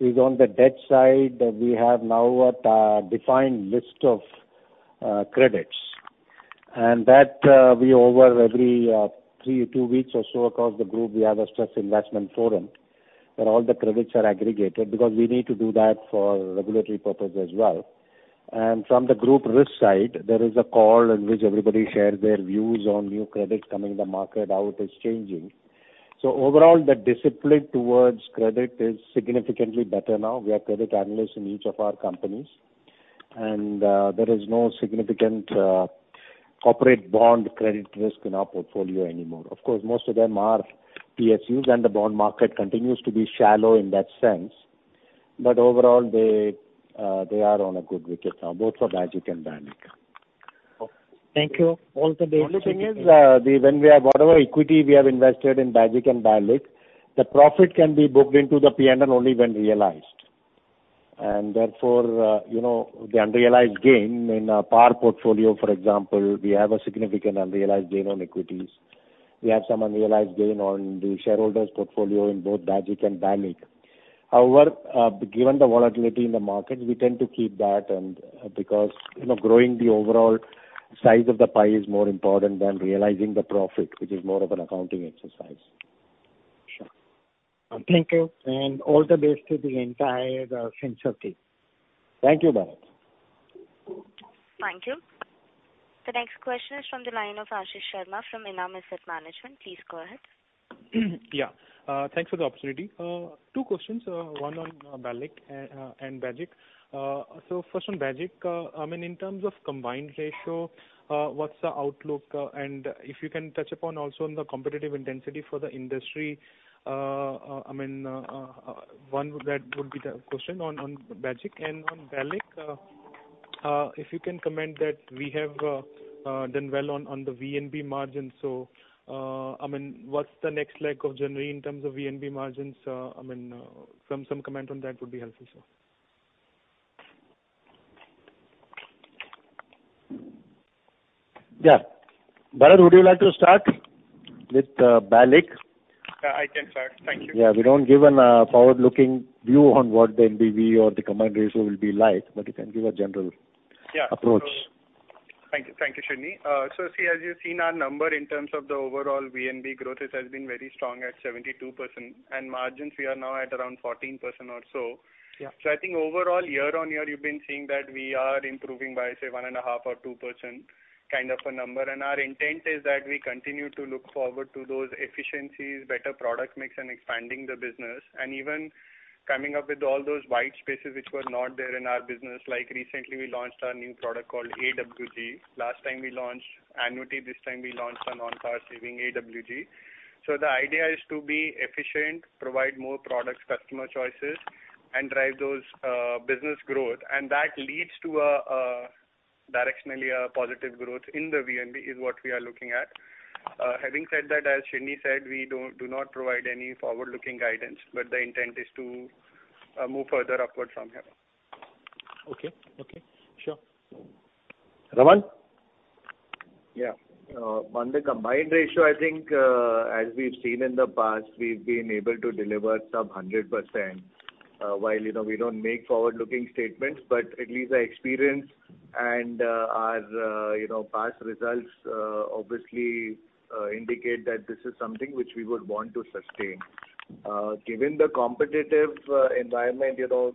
is on the debt side we have now a defined list of credits and that we over every two or three weeks or so across the group we have a stress investment forum where all the credits are aggregated because we need to do that for regulatory purpose as well. From the group risk side, there is a call in which everybody shares their views on new credits coming in the market, how it is changing. Overall the discipline towards credit is significantly better now. We have credit analysts in each of our companies and there is no significant corporate bond credit risk in our portfolio anymore. Of course, most of them are PSUs and the bond market continues to be shallow in that sense. Overall they are on a good wicket now, both for BAGIC and BALIC. Thank you. All the best. Only thing is, when we have whatever equity we have invested in BAGIC and BALIC, the profit can be booked into the P&L only when realized. Therefore, you know, the unrealized gain in our PAR portfolio for example, we have a significant unrealized gain on equities. We have some unrealized gain on the shareholders portfolio in both BAGIC and BALIC. However, given the volatility in the market, we tend to keep that and because, you know, growing the overall size of the pie is more important than realizing the profit, which is more of an accounting exercise. Sure. Thank you. All the best to the entire Finserv team. Thank you, Bharat. Thank you. The next question is from the line of Ashish Sharma from ENAM Asset Management. Please go ahead. Yeah. Thanks for the opportunity. Two questions, one on BALIC and BAGIC. First on BAGIC, I mean in terms of combined ratio, what's the outlook? And if you can touch upon also the competitive intensity for the industry. I mean, that would be the question on BAGIC. On BALIC, if you can comment that we have done well on the VNB margin. I mean, what's the next leg of journey in terms of VNB margins? I mean, some comment on that would be helpful, sir. Yeah. Bharat, would you like to start with BALIC? Yeah, I can start. Thank you. Yeah. We don't give a forward-looking view on what the NBV or the combined ratio will be like, but you can give a general- Yeah. -approach. Thank you. Thank you, Sreeni. See, as you've seen our number in terms of the overall VNB growth, it has been very strong at 72%. Margins, we are now at around 14% or so. Yeah. I think overall year-on-year, you've been seeing that we are improving by, say, 1.5% or 2% kind of a number. Our intent is that we continue to look forward to those efficiencies, better product mix, and expanding the business and even coming up with all those white spaces which were not there in our business. Like recently, we launched our new product called AWG. Last time we launched annuity, this time we launched a non-par savings AWG. The idea is to be efficient, provide more products, customer choices, and drive those business growth. That leads to a directionally positive growth in the VNB is what we are looking at. Having said that, as Sreeni said, we do not provide any forward-looking guidance, but the intent is to move further upward from here. Okay. Sure. Raman? Yeah. On the combined ratio, I think, as we've seen in the past, we've been able to deliver sub 100%, while, you know, we don't make forward-looking statements, but at least our experience and, our, you know, past results, obviously, indicate that this is something which we would want to sustain. Given the competitive environment, you know,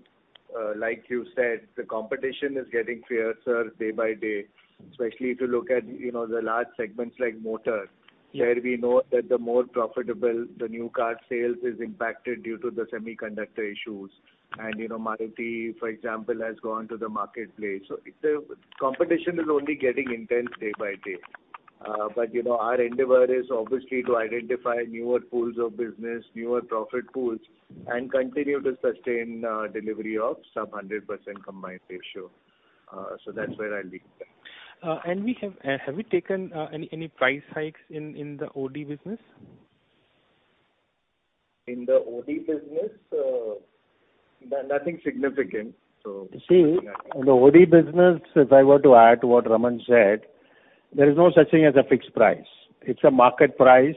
like you said, the competition is getting fiercer day by day, especially if you look at, you know, the large segments like motor. Yeah. Where we know that the more profitable the new car sales is impacted due to the semiconductor issues. You know, Maruti, for example, has gone to the marketplace. The competition is only getting intense day by day. You know, our endeavor is obviously to identify newer pools of business, newer profit pools, and continue to sustain delivery of sub hundred percent combined ratio. That's where I'll leave it there. Have we taken any price hikes in the OD business? In the OD business? No, nothing significant. See, in the OD business, if I were to add to what Raman said, there is no such thing as a fixed price. It's a market price,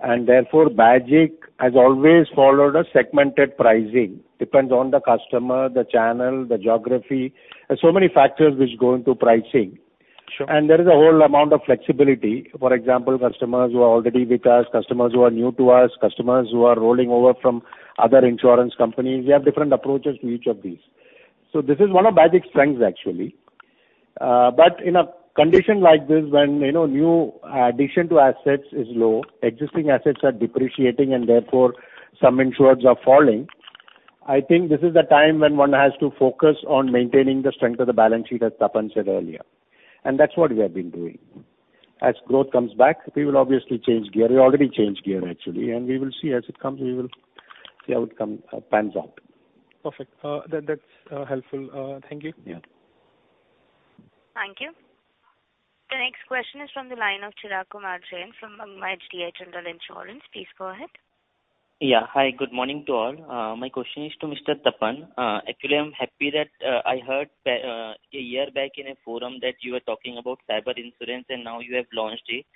and therefore, BAGIC has always followed a segmented pricing, depends on the customer, the channel, the geography. There's so many factors which go into pricing. Sure. There is a whole amount of flexibility. For example, customers who are already with us, customers who are new to us, customers who are rolling over from other insurance companies, we have different approaches to each of these. This is one of BAGIC's strengths, actually. In a condition like this, when you know, new addition to assets is low, existing assets are depreciating, and therefore some insurers are falling, I think this is the time when one has to focus on maintaining the strength of the balance sheet, as Tapan said earlier, and that's what we have been doing. As growth comes back, we will obviously change gear. We already changed gear, actually, and we will see. As it comes, we will see how it pans out. Perfect. That's helpful. Thank you. Yeah. Thank you. The next question is from the line of Chirag Kumar Jain from Magma HDI General Insurance. Please go ahead. Yeah. Hi. Good morning to all. My question is to Mr. Tapan Singhel. Actually, I'm happy that I heard a year back in a forum that you were talking about cyber insurance and now you have launched it.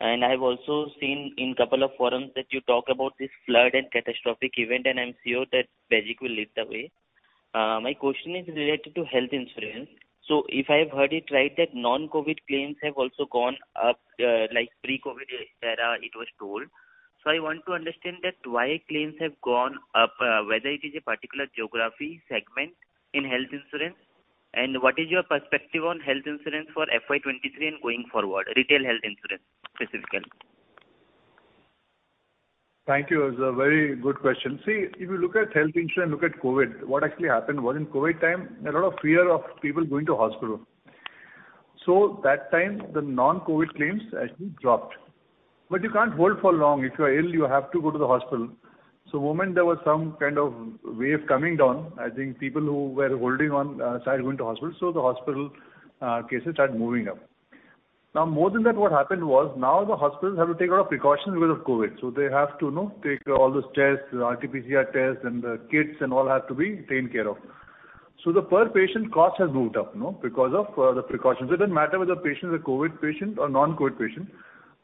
I've also seen in couple of forums that you talk about this flood and catastrophic event, and I'm sure that BAGIC will lead the way. My question is related to health insurance. If I've heard it right, that non-COVID claims have also gone up, like pre-COVID era it was told. I want to understand that why claims have gone up, whether it is a particular geography segment in health insurance, and what is your perspective on health insurance for FY 2023 and going forward, retail health insurance specifically? Thank you. It's a very good question. See, if you look at health insurance and look at COVID, what actually happened was in COVID time, there was a lot of fear of people going to hospital. That time the non-COVID claims actually dropped. You can't hold for long. If you are ill, you have to go to the hospital. Moment there was some kind of wave coming down, I think people who were holding on started going to hospital, so the hospital cases started moving up. Now, more than that, what happened was now the hospitals have to take a lot of precautions because of COVID. They have to, you know, take all those tests, RT-PCR tests, and the kits and all have to be taken care of. The per patient cost has moved up, you know, because of the precautions. It doesn't matter whether the patient is a COVID patient or non-COVID patient,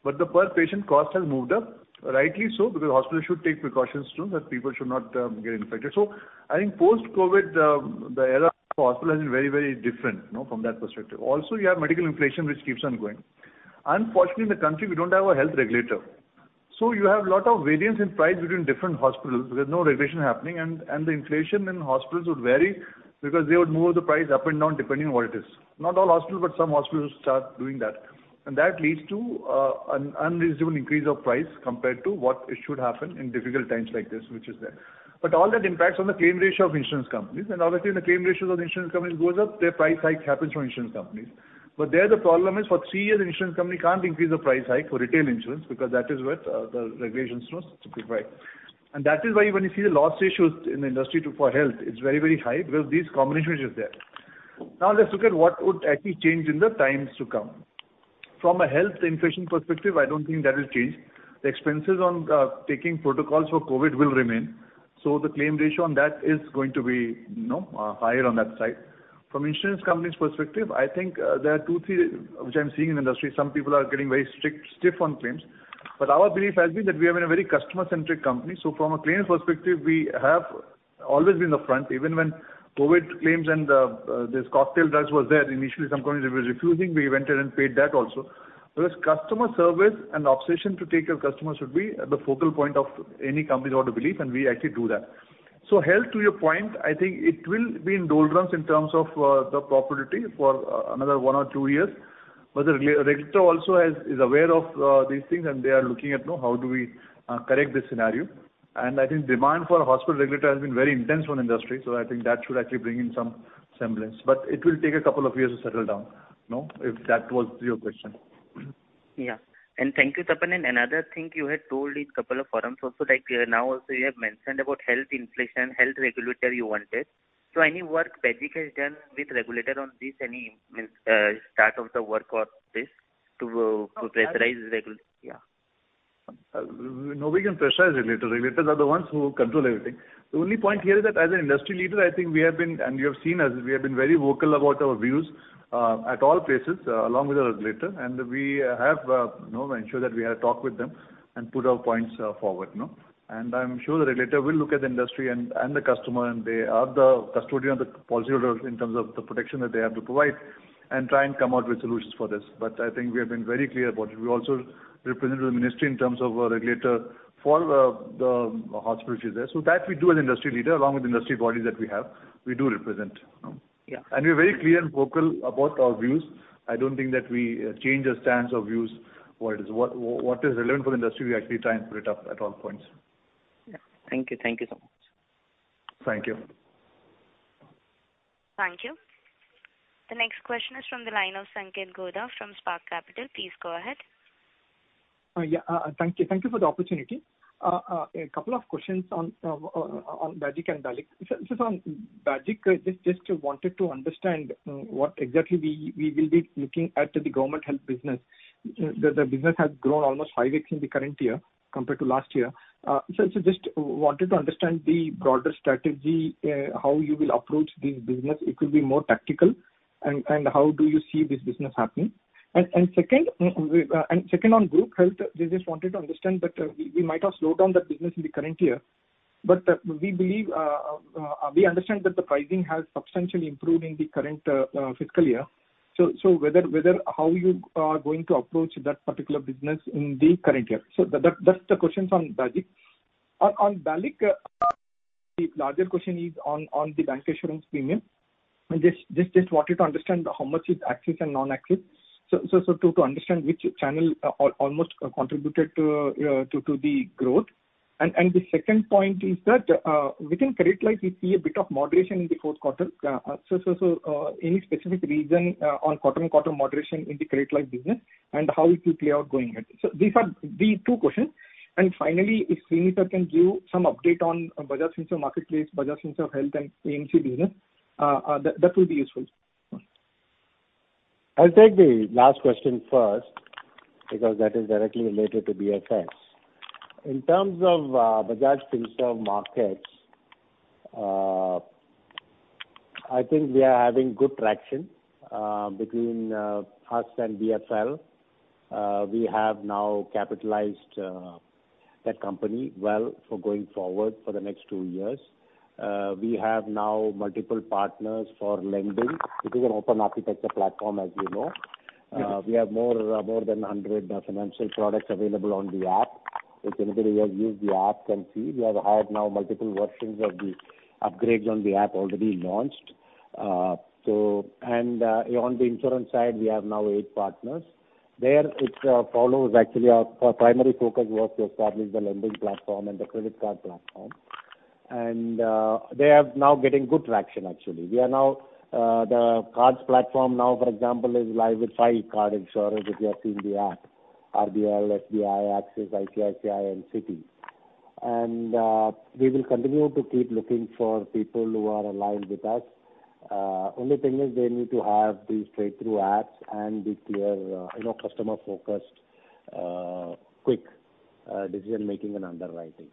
but the per patient cost has moved up. Rightly so, because hospitals should take precautions too, that people should not get infected. I think post-COVID, the era for hospital has been very, very different, you know, from that perspective. Also, you have medical inflation which keeps on going. Unfortunately, in the country, we don't have a health regulator. You have a lot of variance in price between different hospitals because no regulation happening. The inflation in hospitals would vary because they would move the price up and down depending on what it is. Not all hospitals, but some hospitals start doing that. That leads to an unreasonable increase of price compared to what it should happen in difficult times like this, which is there. All that impacts on the claim ratio of insurance companies. Obviously, when the claim ratios of insurance companies goes up, their price hike happens for insurance companies. There the problem is for three years, insurance company can't increase the price hike for retail insurance because that is where the regulations knows to provide. That is why when you see the loss ratios in the industry for health, it's very, very high because this combination is just there. Now let's look at what would actually change in the times to come. From a health inflation perspective, I don't think that will change. The expenses on taking protocols for COVID will remain. The claim ratio on that is going to be, you know, higher on that side. From insurance companies' perspective, I think, there are two, three which I'm seeing in industry. Some people are getting very strict on claims. Our belief has been that we are in a very customer-centric company. From a claim perspective, we have always been the front even when COVID claims and this cocktail drugs was there. Initially, some companies were refusing. We went in and paid that also. Because customer service and obsession to take care of customers should be the focal point of any company's core belief, and we actually do that. Health, to your point, I think it will be in doldrums in terms of the profitability for another one or two years. The regulator also is aware of these things, and they are looking at, you know, how do we correct this scenario. I think demand for hospital regulation has been very intense on industry. I think that should actually bring in some semblance. It will take a couple of years to settle down, you know, if that was your question. Yeah. Thank you, Tapan. Another thing you had told in couple of forums also, like now also you have mentioned about health inflation, health regulator you wanted. So any work BAGIC has done with regulator on this? Any start of the work on this to pressurize regulator? Yeah. Nobody can pressurize regulator. Regulators are the ones who control everything. The only point here is that as an industry leader, I think we have been, and you have seen us, we have been very vocal about our views, at all places, along with the regulator. We have, you know, ensure that we had a talk with them and put our points, forward, you know. I'm sure the regulator will look at the industry and the customer, and they are the custodian of the policyholders in terms of the protection that they have to provide and try and come out with solutions for this. I think we have been very clear about it. We also represent the ministry in terms of a regulator for the hospital fee there. That we do as industry leader along with industry bodies that we have, we do represent, you know. Yeah. We're very clear and vocal about our views. I don't think that we change our stance or views. What is relevant for industry, we actually try and put it up at all points. Yeah. Thank you. Thank you so much. Thank you. Thank you. The next question is from the line of Sanketh Godha from Spark Capital. Please go ahead. Thank you. Thank you for the opportunity. A couple of questions on BAGIC and BALIC. On BAGIC, just wanted to understand what exactly we will be looking at the government health business. The business has grown almost 5x in the current year compared to last year. Just wanted to understand the broader strategy, how you will approach this business. It could be more tactical and how do you see this business happening? Second on group health, I just wanted to understand that we might have slowed down that business in the current year, but we believe we understand that the pricing has substantially improved in the current fiscal year. How you are going to approach that particular business in the current year. That's the question on BAGIC. On BALIC, the larger question is on the bank insurance premium. I just wanted to understand how much is Axis and non-Axis. To understand which channel almost contributed to the growth. The second point is that within credit life, we see a bit of moderation in the fourth quarter. Any specific reason on quarter-over-quarter moderation in the credit life business and how it will play out going ahead? These are the two questions. Finally, if sir can give some update on Bajaj Finserv Marketplace, Bajaj Finserv Health and AMC business, that will be useful. I'll take the last question first because that is directly related to BFS. In terms of Bajaj Finserv Markets, I think we are having good traction between us and BFL. We have now capitalized that company well for going forward for the next two years. We have now multiple partners for lending. It is an open architecture platform, as you know. We have more than 100 financial products available on the app. If anybody has used the app can see we have had now multiple versions of the upgrades on the app already launched. So, on the insurance side, we have now 8 partners. That is, actually, our primary focus was to establish the lending platform and the credit card platform. They are now getting good traction actually. We are now the cards platform now, for example, is live with five card insurers if you have seen the app, RBL, SBI, Axis, ICICI and Citi. We will continue to keep looking for people who are aligned with us. Only thing is they need to have the straight-through apps and be clear, you know, customer-focused, quick, decision-making and underwriting.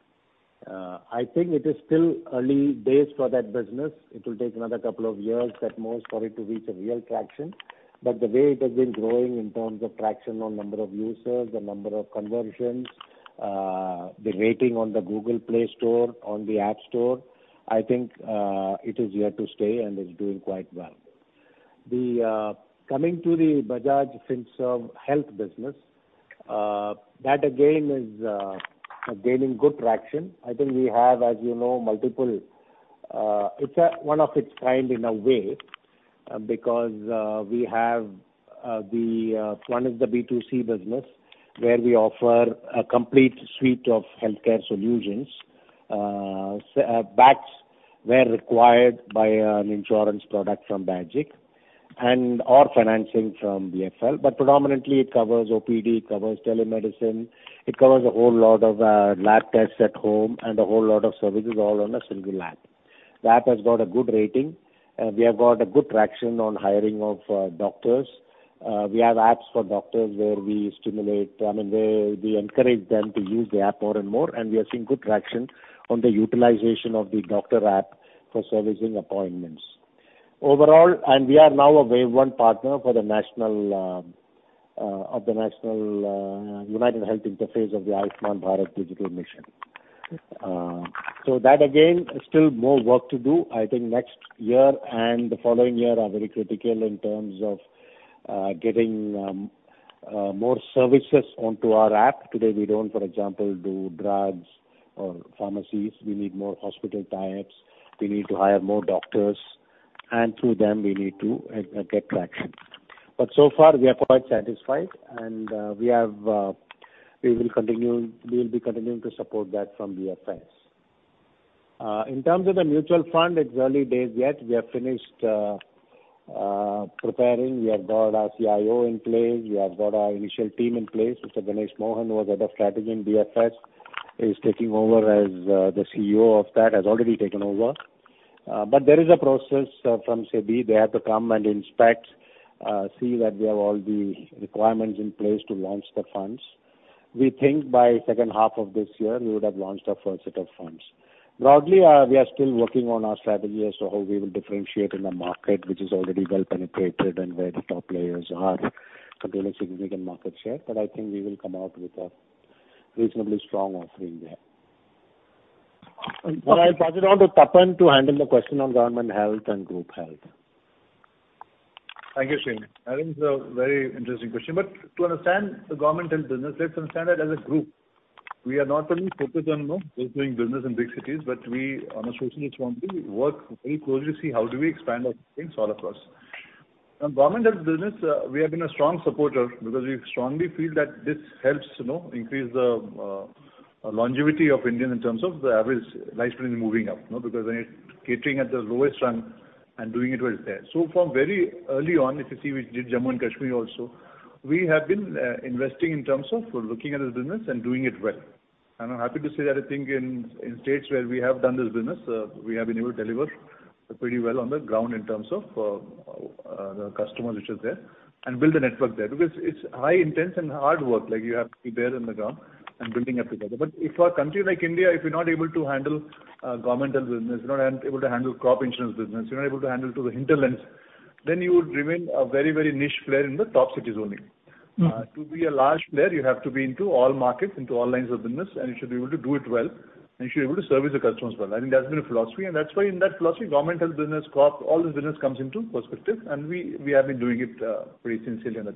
I think it is still early days for that business. It will take another couple of years at most for it to reach a real traction. The way it has been growing in terms of traction on number of users, the number of conversions, the rating on the Google Play Store, on the App Store, I think, it is here to stay and is doing quite well. Coming to the Bajaj Finserv Health business, that again is gaining good traction. I think we have, as you know, multiple, it's one of its kind in a way because we have the one is the B2C business, where we offer a complete suite of healthcare solutions, backed where required by an insurance product from Bajaj and/or financing from BFL. Predominantly it covers OPD, it covers telemedicine, it covers a whole lot of lab tests at home and a whole lot of services all on a single app. The app has got a good rating. We have got a good traction on hiring of doctors. We have apps for doctors where we stimulate, I mean, we encourage them to use the app more and more, and we are seeing good traction on the utilization of the doctor app for servicing appointments. Overall, we are now a wave one partner for the national Unified Health Interface of the Ayushman Bharat Digital Mission. So that again, still more work to do. I think next year and the following year are very critical in terms of getting more services onto our app. Today, we don't, for example, do drugs or pharmacies. We need more hospital tie-ups. We need to hire more doctors, and through them, we need to get traction. So far, we are quite satisfied, and we will be continuing to support that from BFS. In terms of the mutual fund, it's early days yet. We have finished preparing. We have got our CIO in place. We have got our initial team in place. Mr. Ganesh Mohan, who was Head of Strategy in BFS, is taking over as the CEO of that, has already taken over. There is a process from SEBI. They have to come and inspect, see that we have all the requirements in place to launch the funds. We think by second half of this year, we would have launched our first set of funds. Broadly, we are still working on our strategy as to how we will differentiate in the market, which is already well penetrated and where the top players are continuing significant market share. I think we will come out with a reasonably strong offering there. I'll pass it on to Tapan to handle the question on government health and group health. Thank you, Sreeni. I think it's a very interesting question. To understand the government health business, let's understand that as a group, we are not only focused on, you know, just doing business in big cities, but we on a social responsibility work very closely, how do we expand our presence all across. On government health business, we have been a strong supporter because we strongly feel that this helps, you know, increase the longevity of Indians in terms of the average lifespan is moving up, you know, because when it's catering at the lowest rung and doing it well there. From very early on, if you see, we did Jammu and Kashmir also. We have been investing in terms of looking at this business and doing it well. I'm happy to say that I think in states where we have done this business, we have been able to deliver pretty well on the ground in terms of the customer, which is there, and build a network there. Because it's highly intense and hard work, like you have to be there on the ground and building up together. But if you are a country like India, if you're not able to handle government health business, you're not able to handle crop insurance business, you're not able to handle the hinterlands, then you would remain a very, very niche player in the top cities only. Mm. To be a large player, you have to be into all markets, into all lines of business, and you should be able to do it well, and you should be able to service the customers well. I think that's been a philosophy, and that's why in that philosophy, government health business, crop, all this business comes into perspective and we have been doing it pretty sincerely on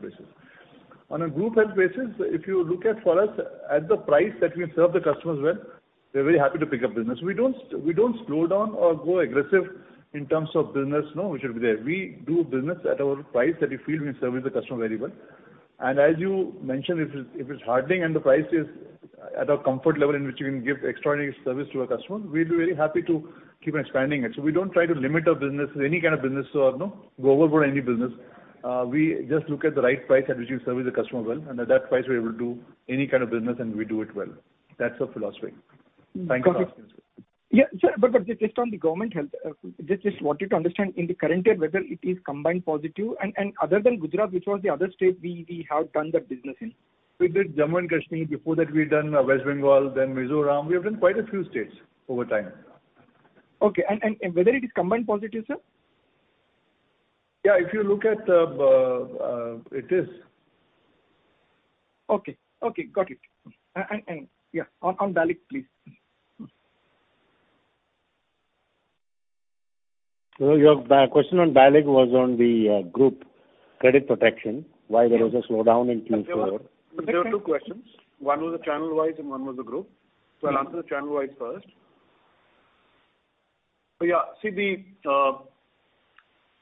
that basis. On a group health basis, if you look at for us at the price that we serve the customers well, we're very happy to pick up business. We don't slow down or go aggressive in terms of business, no, we should be there. We do business at our price that we feel we service the customer very well. As you mentioned, if it's hardening and the price is at a comfort level in which we can give extraordinary service to our customer, we'll be very happy to keep on expanding it. We don't try to limit our business in any kind of business or, you know, go overboard any business. We just look at the right price at which we serve the customer well, and at that price we're able to do any kind of business and we do it well. That's our philosophy. Thanks for asking, sir. Got it. Sir, just on the government health, just wanted to understand in the current year whether it is combined ratio positive and other than Gujarat, which was the other state we have done that business in? We did Jammu and Kashmir. Before that we've done West Bengal, then Mizoram. We have done quite a few states over time. Okay. Whether it is combined ratio positive, sir? Yeah, if you look at the, it is. Okay. Got it. Yeah, on BALIC, please. Your question on BALIC was on the group credit protection, why there was a slowdown in Q4. There were two questions. One was a channel-wise and one was a group. Yeah. I'll answer the channel-wise first. Yeah. See the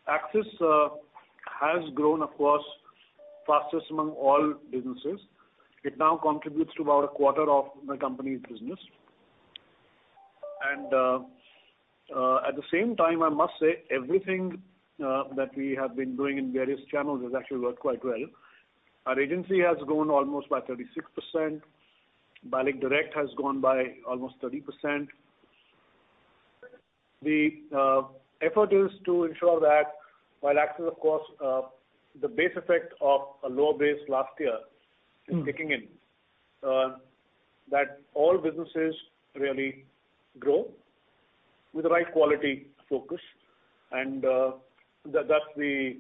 Axis has grown, of course, fastest among all businesses. It now contributes to about a quarter of the company's business. At the same time, I must say everything that we have been doing in various channels has actually worked quite well. Our agency has grown almost by 36%. BALIC Direct has grown by almost 30%. The effort is to ensure that while Axis, of course, the base effect of a low base last year is kicking in, that all businesses really grow with the right quality focus and that that's the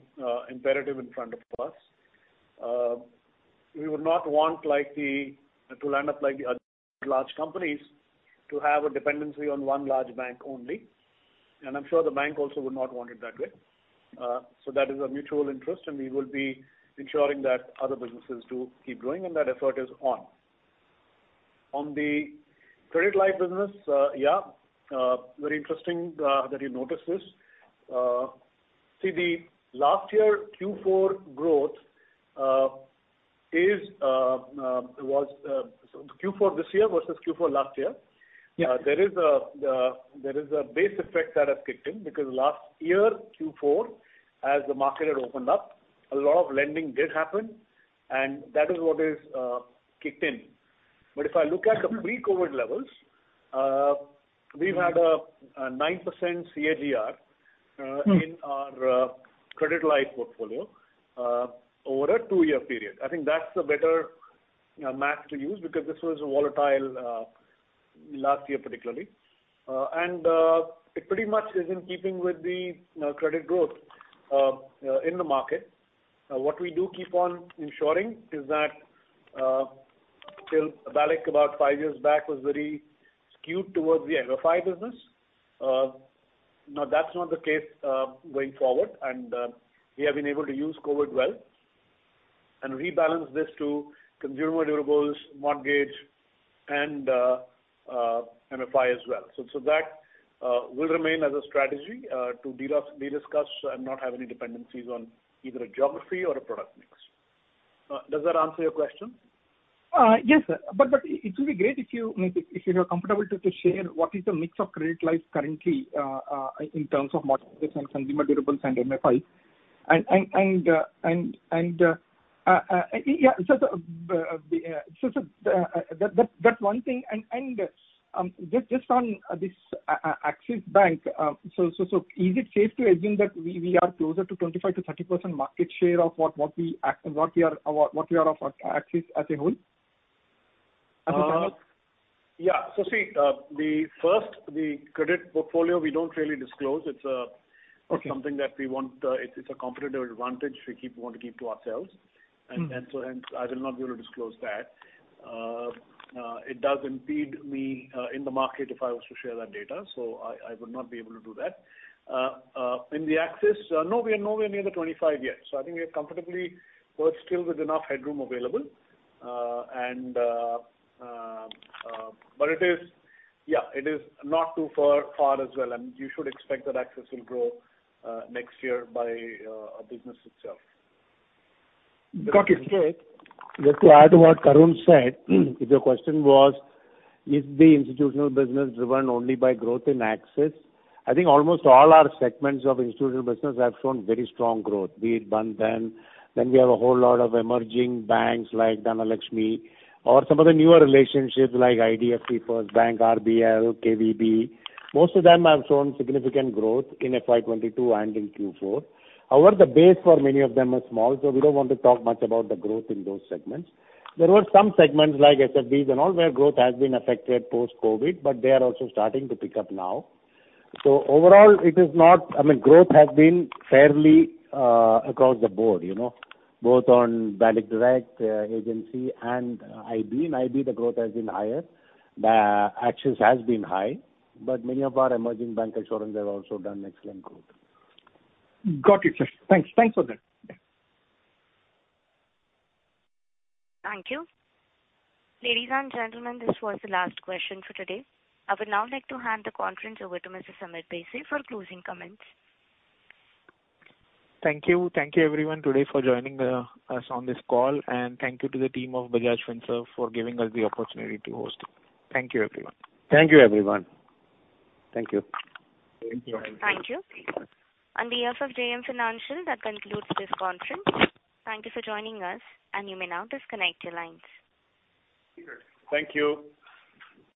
imperative in front of us. We would not want to land up like the other large companies to have a dependency on one large bank only, and I'm sure the bank also would not want it that way. That is a mutual interest, and we will be ensuring that other businesses do keep growing and that effort is on. On the credit line business, very interesting that you noticed this. See the last year Q4 growth was. Q4 this year versus Q4 last year. Yeah. There is a base effect that has kicked in because last year Q4 as the market had opened up, a lot of lending did happen and that is what is kicked in. If I look at the pre-COVID levels, we've had a 9% CAGR in our credit life portfolio over a two-year period. I think that's a better math to use because this was volatile last year particularly. It pretty much is in keeping with the credit growth in the market. What we do keep on ensuring is that till BALIC about 5 years back was very skewed towards the MFI business. Now that's not the case going forward, and we have been able to use COVID well and rebalance this to consumer durables, mortgage and MFI as well. That will remain as a strategy to derisk us and not have any dependencies on either a geography or a product mix. Does that answer your question? Yes, sir. It will be great if you are comfortable to share what is the mix of credit life currently in terms of mortgages and consumer durables and MFIs. That one thing and just on this Axis Bank, is it safe to assume that we are closer to 25%-30% market share of what we are of Axis as a whole? As a channel? Yeah. See, the first, the credit portfolio, we don't really disclose. It's- Okay.,,,, Something that we want, it's a competitive advantage we want to keep to ourselves. Mm-hmm. I will not be able to disclose that. It does impede me in the market if I was to share that data, so I would not be able to do that. In Axis, no, we are nowhere near the 25 yet. I think we're comfortably still with enough headroom available. It is not too far off as well. You should expect that Axis will grow next year by our business itself. Got it. Just to add to what Tarun said, if your question was, is the institutional business driven only by growth in Axis Bank? I think almost all our segments of institutional business have shown very strong growth. Be it Bandhan Bank, then we have a whole lot of emerging banks like Dhanlaxmi Bank or some of the newer relationships like IDFC First Bank, RBL Bank, KVB. Most of them have shown significant growth in FY 2022 and in Q4. However, the base for many of them are small, so we don't want to talk much about the growth in those segments. There were some segments like SFBs and all, where growth has been affected post-COVID, but they are also starting to pick up now. Overall, it is not. I mean, growth has been fairly across the board, you know. Both on BALIC Direct, agency and IB. In IB, the growth has been higher. Axis has been high, but many of our emerging bancassurance have also done excellent growth. Got it, sir. Thanks. Thanks for that. Thank you. Ladies and gentlemen, this was the last question for today. I would now like to hand the conference over to Mr. Sameer Bhise for closing comments. Thank you. Thank you, everyone, today for joining us on this call. Thank you to the team of Bajaj Finserv for giving us the opportunity to host it. Thank you, everyone. Thank you, everyone. Thank you. Thank you. On behalf of JM Financial, that concludes this conference. Thank you for joining us and you may now disconnect your lines. Thank you.